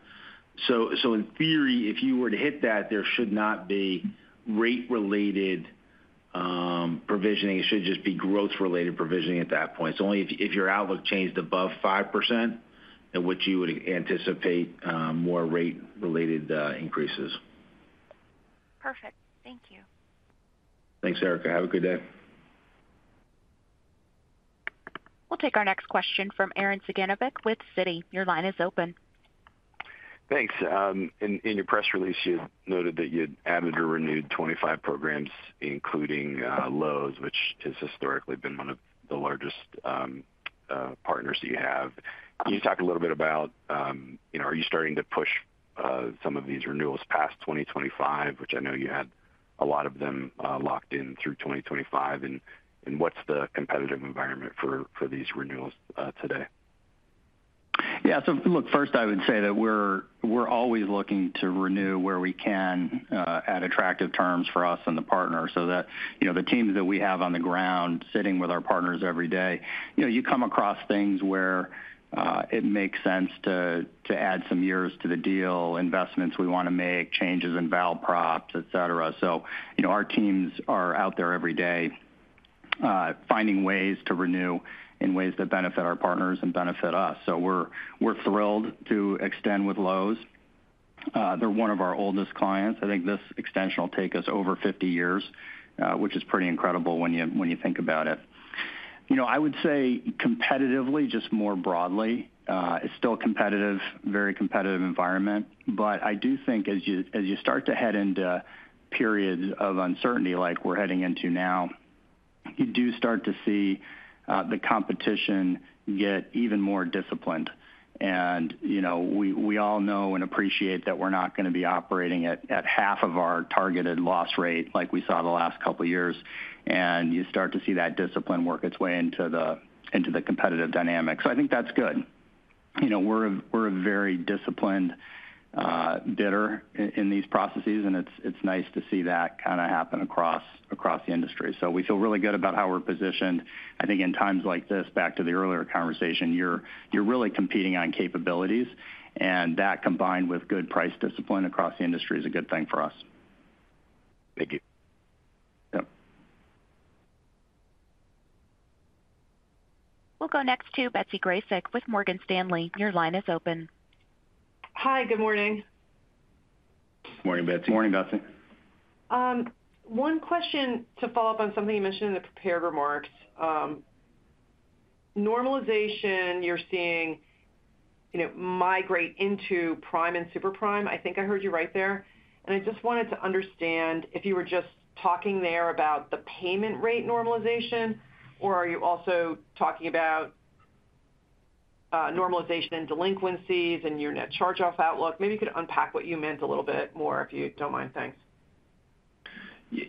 In theory, if you were to hit that, there should not be rate-related provisioning. It should just be growth-related provisioning at that point. It's only if your outlook changed above 5% in which you would anticipate more rate-related increases. Perfect. Thank you. Thanks, Erika. Have a good day. We'll take our next question from Arash Saghafi with Citi. Your line is open. Thanks. In your press release, you noted that you'd added or renewed 25 programs, including Lowe's, which has historically been one of the largest partners that you have. Can you talk a little bit about, you know, are you starting to push some of these renewals past 2025, which I know you had a lot of them locked in through 2025? What's the competitive environment for these renewals today? Look, first I would say that we're always looking to renew where we can at attractive terms for us and the partner so that, you know, the teams that we have on the ground sitting with our partners every day. You know, you come across things where it makes sense to add some years to the deal, investments we want to make, changes in val props, et cetera. Our teams are out there every day, finding ways to renew in ways that benefit our partners and benefit us. We're thrilled to extend with Lowe's. They're one of our oldest clients. I think this extension will take us over 50 years, which is pretty incredible when you think about it. You know, I would say competitively, just more broadly, it's still a competitive, very competitive environment. I do think as you start to head into periods of uncertainty like we're heading into now, you do start to see the competition get even more disciplined. You know, we all know and appreciate that we're not going to be operating at half of our targeted loss rate like we saw the last couple of years. You start to see that discipline work its way into the competitive dynamics. I think that's good. You know, we're a very disciplined bidder in these processes, and it's nice to see that kind of happen across the industry. We feel really good about how we're positioned. I think in times like this, back to the earlier conversation, you're really competing on capabilities, and that combined with good price discipline across the industry is a good thing for us. Thank you. Yep. We'll go next to Betsy Graseck with Morgan Stanley. Your line is open. Hi. Good morning. Morning, Betsy. Morning, Betsy. One question to follow up on something you mentioned in the prepared remarks. Normalization you're seeing, you know, migrate into prime and super prime. I think I heard you right there. I just wanted to understand if you were just talking there about the payment rate normalization, or are you also talking about normalization in delinquencies and your net charge-off outlook. Maybe you could unpack what you meant a little bit more, if you don't mind. Thanks.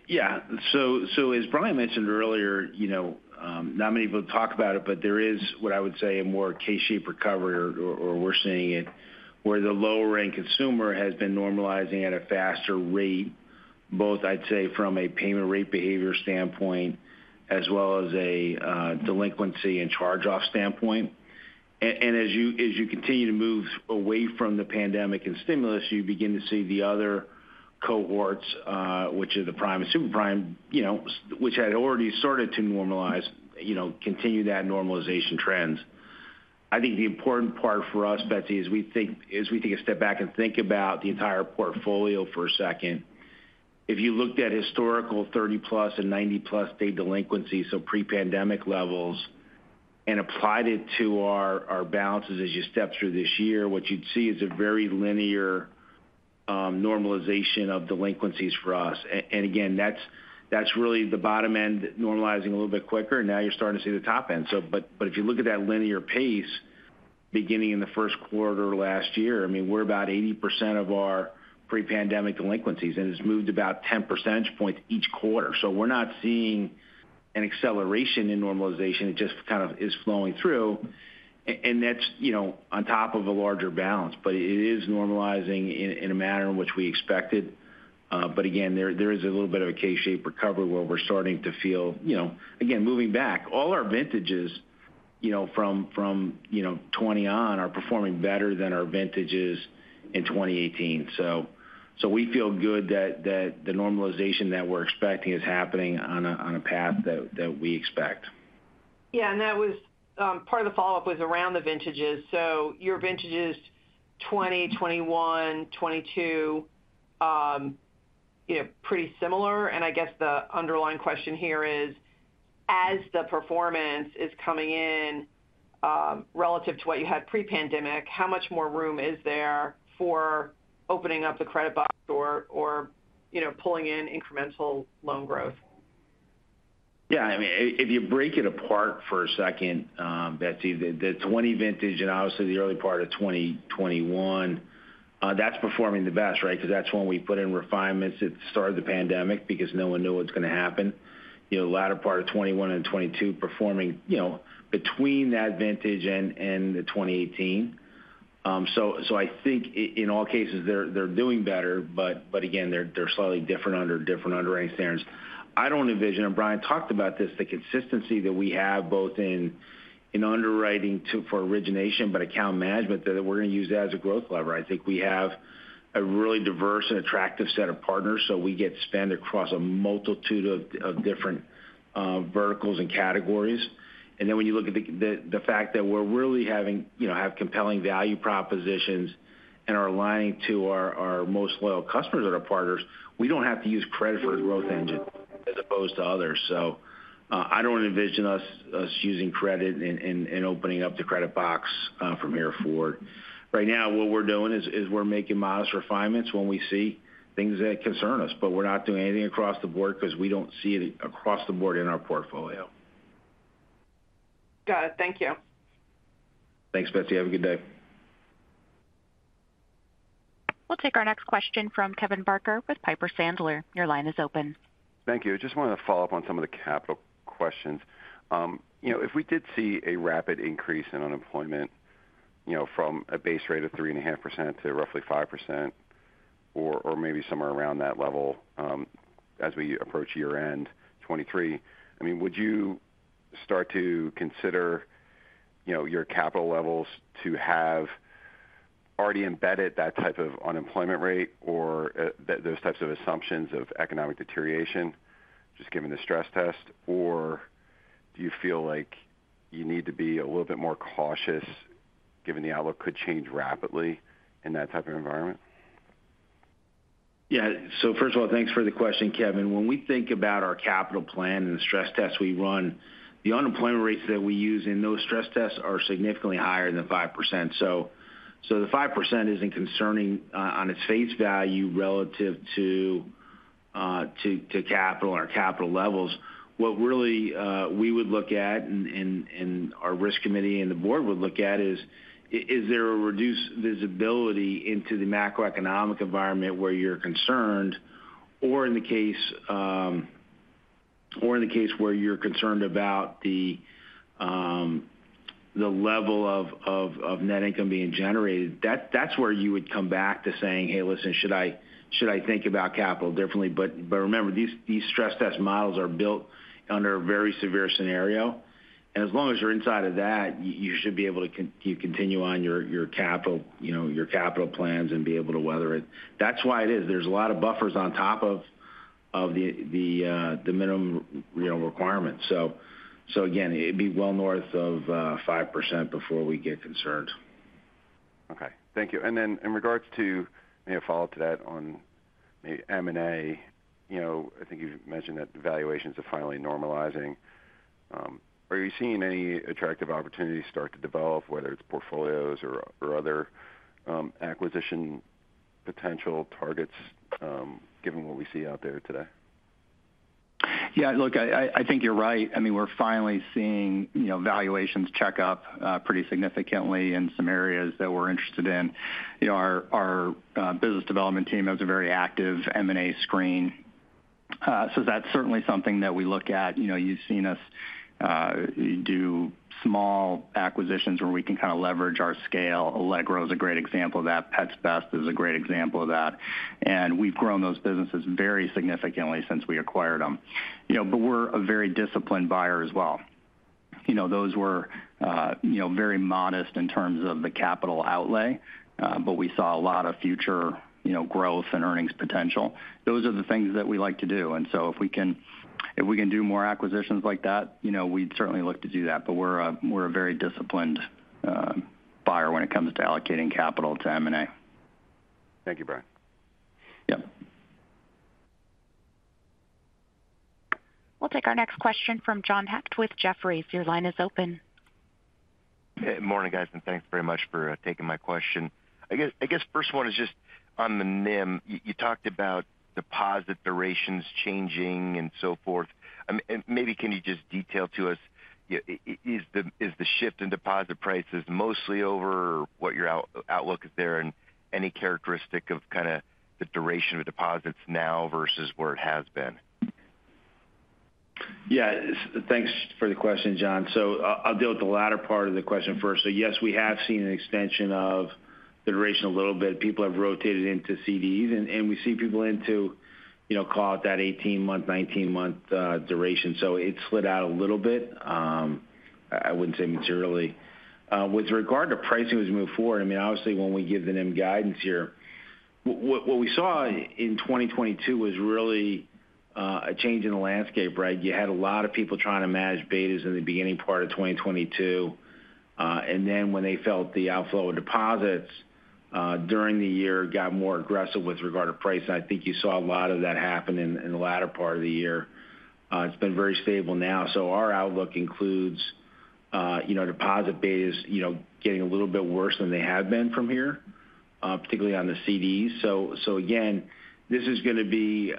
Yeah. As Brian mentioned earlier, you know, not many people talk about it, but there is, what I would say, a more K-shaped recovery or we're seeing it where the lower-rank consumer has been normalizing at a faster rate, both I'd say from a payment rate behavior standpoint as well as a delinquency and charge-off standpoint. As you continue to move away from the pandemic and stimulus, you begin to see the other cohorts, which are the prime and super prime, you know, which had already started to normalize, you know, continue that normalization trend. I think the important part for us, Betsy, is as we take a step back and think about the entire portfolio for a second. If you looked at historical 30-plus and 90-plus day delinquencies, so pre-pandemic levels, and applied it to our balances as you step through this year, what you'd see is a very linear normalization of delinquencies for us. Again, that's really the bottom end normalizing a little bit quicker, and now you're starting to see the top end. If you look at that linear pace beginning in the first quarter of last year, I mean, we're about 80% of our pre-pandemic delinquencies, and it's moved about 10 percentage points each quarter. We're not seeing an acceleration in normalization. It just kind of is flowing through and that's, you know, on top of a larger balance. It is normalizing in a manner in which we expected. Again, there is a little bit of a K-shaped recovery where we're starting to feel, you know. Again, moving back, all our vintages, you know, from 2020 on are performing better than our vintages in 2018. We feel good that the normalization that we're expecting is happening on a path that we expect. Yeah. That was, part of the follow-up was around the vintages. Your vintages 2020, 2021, 2022, you know, pretty similar. I guess the underlying question here is, as the performance is coming in, relative to what you had pre-pandemic, how much more room is there for opening up the credit box or, you know, pulling in incremental loan growth? Yeah. I mean, if you break it apart for a second, Betsy, the 2020 vintage and obviously the early part of 2021, that's performing the best, right? Because that's when we put in refinements at the start of the pandemic because no one knew what's going to happen. You know, the latter part of 2021 and 2022 performing, you know, between that vintage and the 2018. I think in all cases they're doing better. Again, they're slightly different under different underwriting standards. I don't envision, and Brian talked about this, the consistency that we have both in underwriting for origination, but account management that we're going to use that as a growth lever. I think we have a really diverse and attractive set of partners, so we get to spend across a multitude of different verticals and categories. When you look at the fact that we're really having, you know, have compelling value propositions and are aligning to our most loyal customers that are partners, we don't have to use credit for the growth engine as opposed to others. I don't envision us using credit and opening up the credit box from here forward. Right now, what we're doing is we're making modest refinements when we see things that concern us. We're not doing anything across the board because we don't see it across the board in our portfolio. Got it. Thank you. Thanks, Betsy. Have a good day. We'll take our next question from Kevin Barker with Piper Sandler. Your line is open. Thank you. I just wanted to follow up on some of the capital questions. You know, if we did see a rapid increase in unemployment, you know, from a base rate of 3.5% to roughly 5% or maybe somewhere around that level, as we approach year-end 2023, I mean, would you start to consider, you know, your capital levels to have already embedded that type of unemployment rate or those types of assumptions of economic deterioration just given the stress test? Or do you feel like you need to be a little bit more cautious given the outlook could change rapidly in that type of environment? First of all, thanks for the question, Kevin. When we think about our capital plan and the stress tests we run, the unemployment rates that we use in those stress tests are significantly higher than 5%. The 5% isn't concerning on its face value relative to capital and our capital levels. What really we would look at and our risk committee and the board would look at is there a reduced visibility into the macroeconomic environment where you're concerned? Or in the case where you're concerned about the level of net income being generated. That's where you would come back to saying, "Hey, listen, should I think about capital differently?" Remember, these stress test models are built under a very severe scenario, and as long as you're inside of that, you should be able to continue on your capital, you know, your capital plans and be able to weather it. That's why it is. There's a lot of buffers on top of the minimum, you know, requirements. Again, it'd be well north of 5% before we get concerned. Okay. Thank you. In regards to maybe a follow-up to that on maybe M&A, you know, I think you mentioned that valuations are finally normalizing. Are you seeing any attractive opportunities start to develop, whether it's portfolios or other acquisition potential targets, given what we see out there today? Look, I think you're right. I mean, we're finally seeing, you know, valuations check up pretty significantly in some areas that we're interested in. You know, our business development team has a very active M&A screen. That's certainly something that we look at. You know, you've seen us do small acquisitions where we can kind of leverage our scale. Allegro is a great example of that. Pets Best is a great example of that. We've grown those businesses very significantly since we acquired them. You know, we're a very disciplined buyer as well. You know, those were, you know, very modest in terms of the capital outlay, we saw a lot of future, you know, growth and earnings potential. Those are the things that we like to do. If we can do more acquisitions like that, you know, we'd certainly look to do that. We're a very disciplined buyer when it comes to allocating capital to M&A. Thank you, Brian. Yep. We'll take our next question from John Hecht with Jefferies. Your line is open. Morning, guys, and thanks very much for taking my question. I guess first one is just on the NIM. You talked about deposit durations changing and so forth. Maybe can you just detail to us, is the shift in deposit prices mostly over what your out-outlook is there, and any characteristic of kind of the duration of deposits now versus where it has been? Thanks for the question, John. I'll deal with the latter part of the question first. Yes, we have seen an extension of the duration a little bit. People have rotated into CDs, and we see people into, you know, call it that 18-month, 19-month duration. It slid out a little bit. I wouldn't say materially. With regard to pricing as we move forward, I mean, obviously, when we give the NIM guidance here, what we saw in 2022 was really a change in the landscape, right? You had a lot of people trying to manage betas in the beginning part of 2022. Then when they felt the outflow of deposits during the year got more aggressive with regard to pricing, I think you saw a lot of that happen in the latter part of the year. It's been very stable now. Our outlook includes, you know, deposit betas, you know, getting a little bit worse than they have been from here, particularly on the CDs. Again, this is going to be,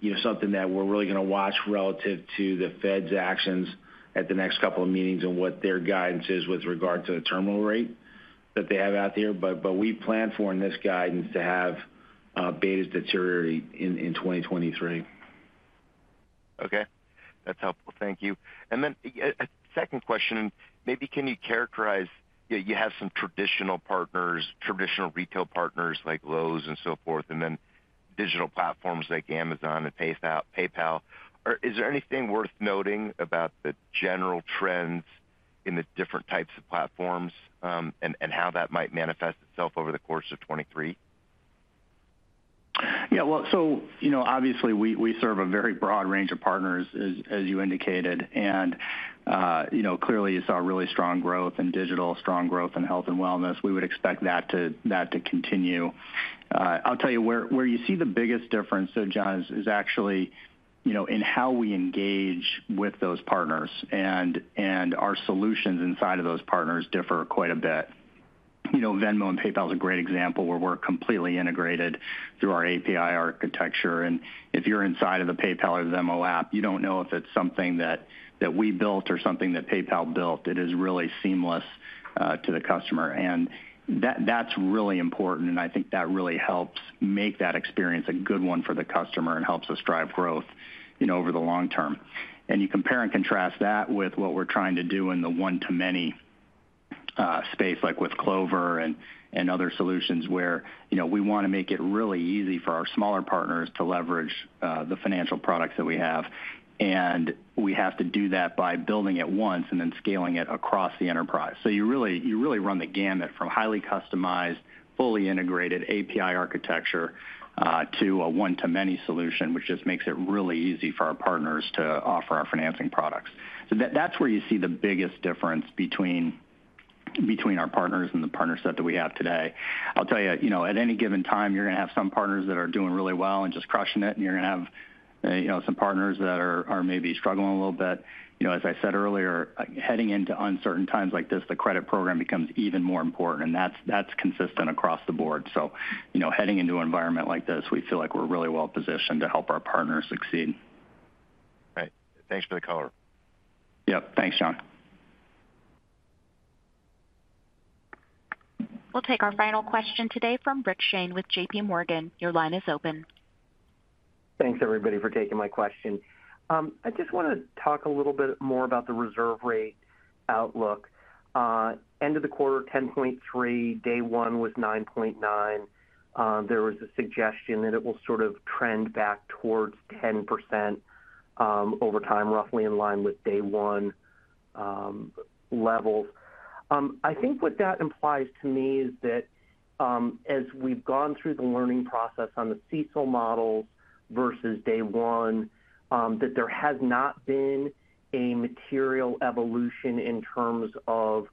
you know, something that we're really going to watch relative to the Fed's actions at the next couple of meetings and what their guidance is with regard to the terminal rate that they have out there. We plan for in this guidance to have betas deteriorate in 2023. Okay. That's helpful. Thank you. A second question, maybe can you characterize, you have some traditional partners, traditional retail partners like Lowe's and so forth, and then digital platforms like Amazon and PayPal. Is there anything worth noting about the general trends in the different types of platforms, and how that might manifest itself over the course of 23? Yeah. Well, you know, obviously, we serve a very broad range of partners, as you indicated. Clearly you saw really strong growth in digital, strong growth in health and wellness. We would expect that to continue. I'll tell you where you see the biggest difference, though, John, is actually, you know, in how we engage with those partners. Our solutions inside of those partners differ quite a bit. You know, Venmo and PayPal is a great example where we're completely integrated through our API architecture. If you're inside of the PayPal or Venmo app, you don't know if it's something that we built or something that PayPal built. It is really seamless to the customer, and that's really important. I think that really helps make that experience a good one for the customer and helps us drive growth, you know, over the long term. You compare and contrast that with what we're trying to do in the one to many space, like with Clover and other solutions where, you know, we want to make it really easy for our smaller partners to leverage the financial products that we have. We have to do that by building it once and then scaling it across the enterprise. You really run the gamut from highly customized, fully integrated API architecture to a one-to-many solution, which just makes it really easy for our partners to offer our financing products. That's where you see the biggest difference between our partners and the partner set that we have today. I'll tell you know, at any given time, you're going to have some partners that are doing really well and just crushing it, and you're going to have, you know, some partners that are maybe struggling a little bit. You know, as I said earlier, heading into uncertain times like this, the credit program becomes even more important, and that's consistent across the board. You know, heading into an environment like this, we feel like we're really well positioned to help our partners succeed. Great. Thanks for the color. Yep. Thanks, John. We'll take our final question today from Rick Shane with J.P. Morgan. Your line is open. Thanks, everybody, for taking my question. I just want to talk a little bit more about the reserve rate outlook. End of the quarter, 10.3. Day 1 was 9.9. There was a suggestion that it will sort of trend back towards 10% over time, roughly in line with Day 1 levels. I think what that implies to me is that as we've gone through the learning process on the CECL models versus Day one, that there has not been a material evolution in terms of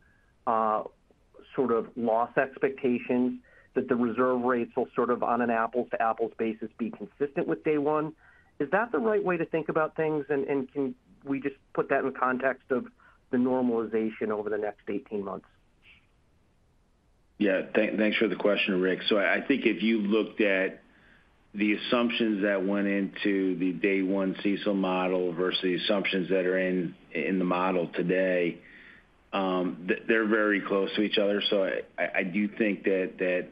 sort of loss expectations, that the reserve rates will sort of on an apples-to-apples basis be consistent with Day one. Is that the right way to think about things? And can we just put that in context of the normalization over the next 18 months? Thanks for the question, Rick. I think if you looked at the assumptions that went into the day one CECL model versus the assumptions that are in the model today, they're very close to each other. I do think that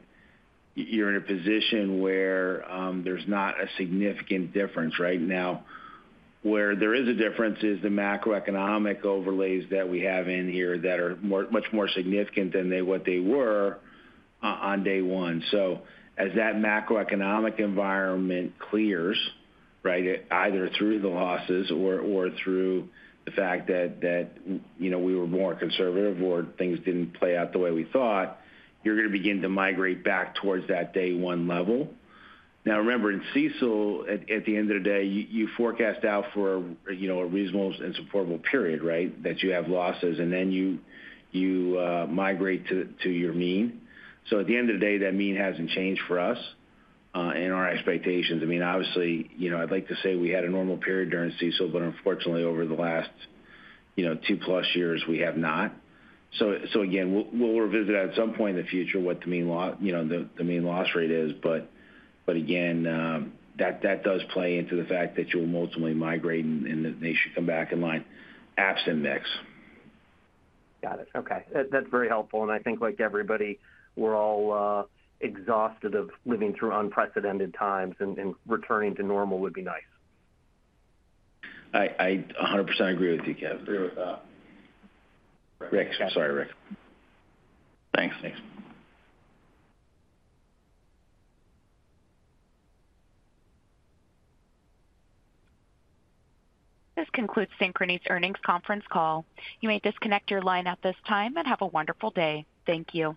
you're in a position where there's not a significant difference right now. Where there is a difference is the macroeconomic overlays that we have in here that are much more significant than what they were on day one. As that macroeconomic environment clears, right, either through the losses or through the fact that, you know, we were more conservative or things didn't play out the way we thought, you're gonna begin to migrate back towards that day one level. Remember, in CECL, at the end of the day, you forecast out for, you know, a reasonable and supportable period, right? That you have losses and then you migrate to your mean. At the end of the day, that mean hasn't changed for us and our expectations. I mean, obviously, you know, I'd like to say we had a normal period during CECL, but unfortunately over the last, you know, two plus years, we have not. Again, we'll revisit at some point in the future what the mean you know, the mean loss rate is. Again, that does play into the fact that you'll ultimately migrate and they should come back in line, absent mix. Got it. Okay. That's very helpful. I think like everybody, we're all exhausted of living through unprecedented times and returning to normal would be nice. I 100% agree with you, Kevin. Agree with that. Rick. Sorry, Rick. Thanks. Thanks. This concludes Synchrony's earnings conference call. You may disconnect your line at this time, and have a wonderful day. Thank you.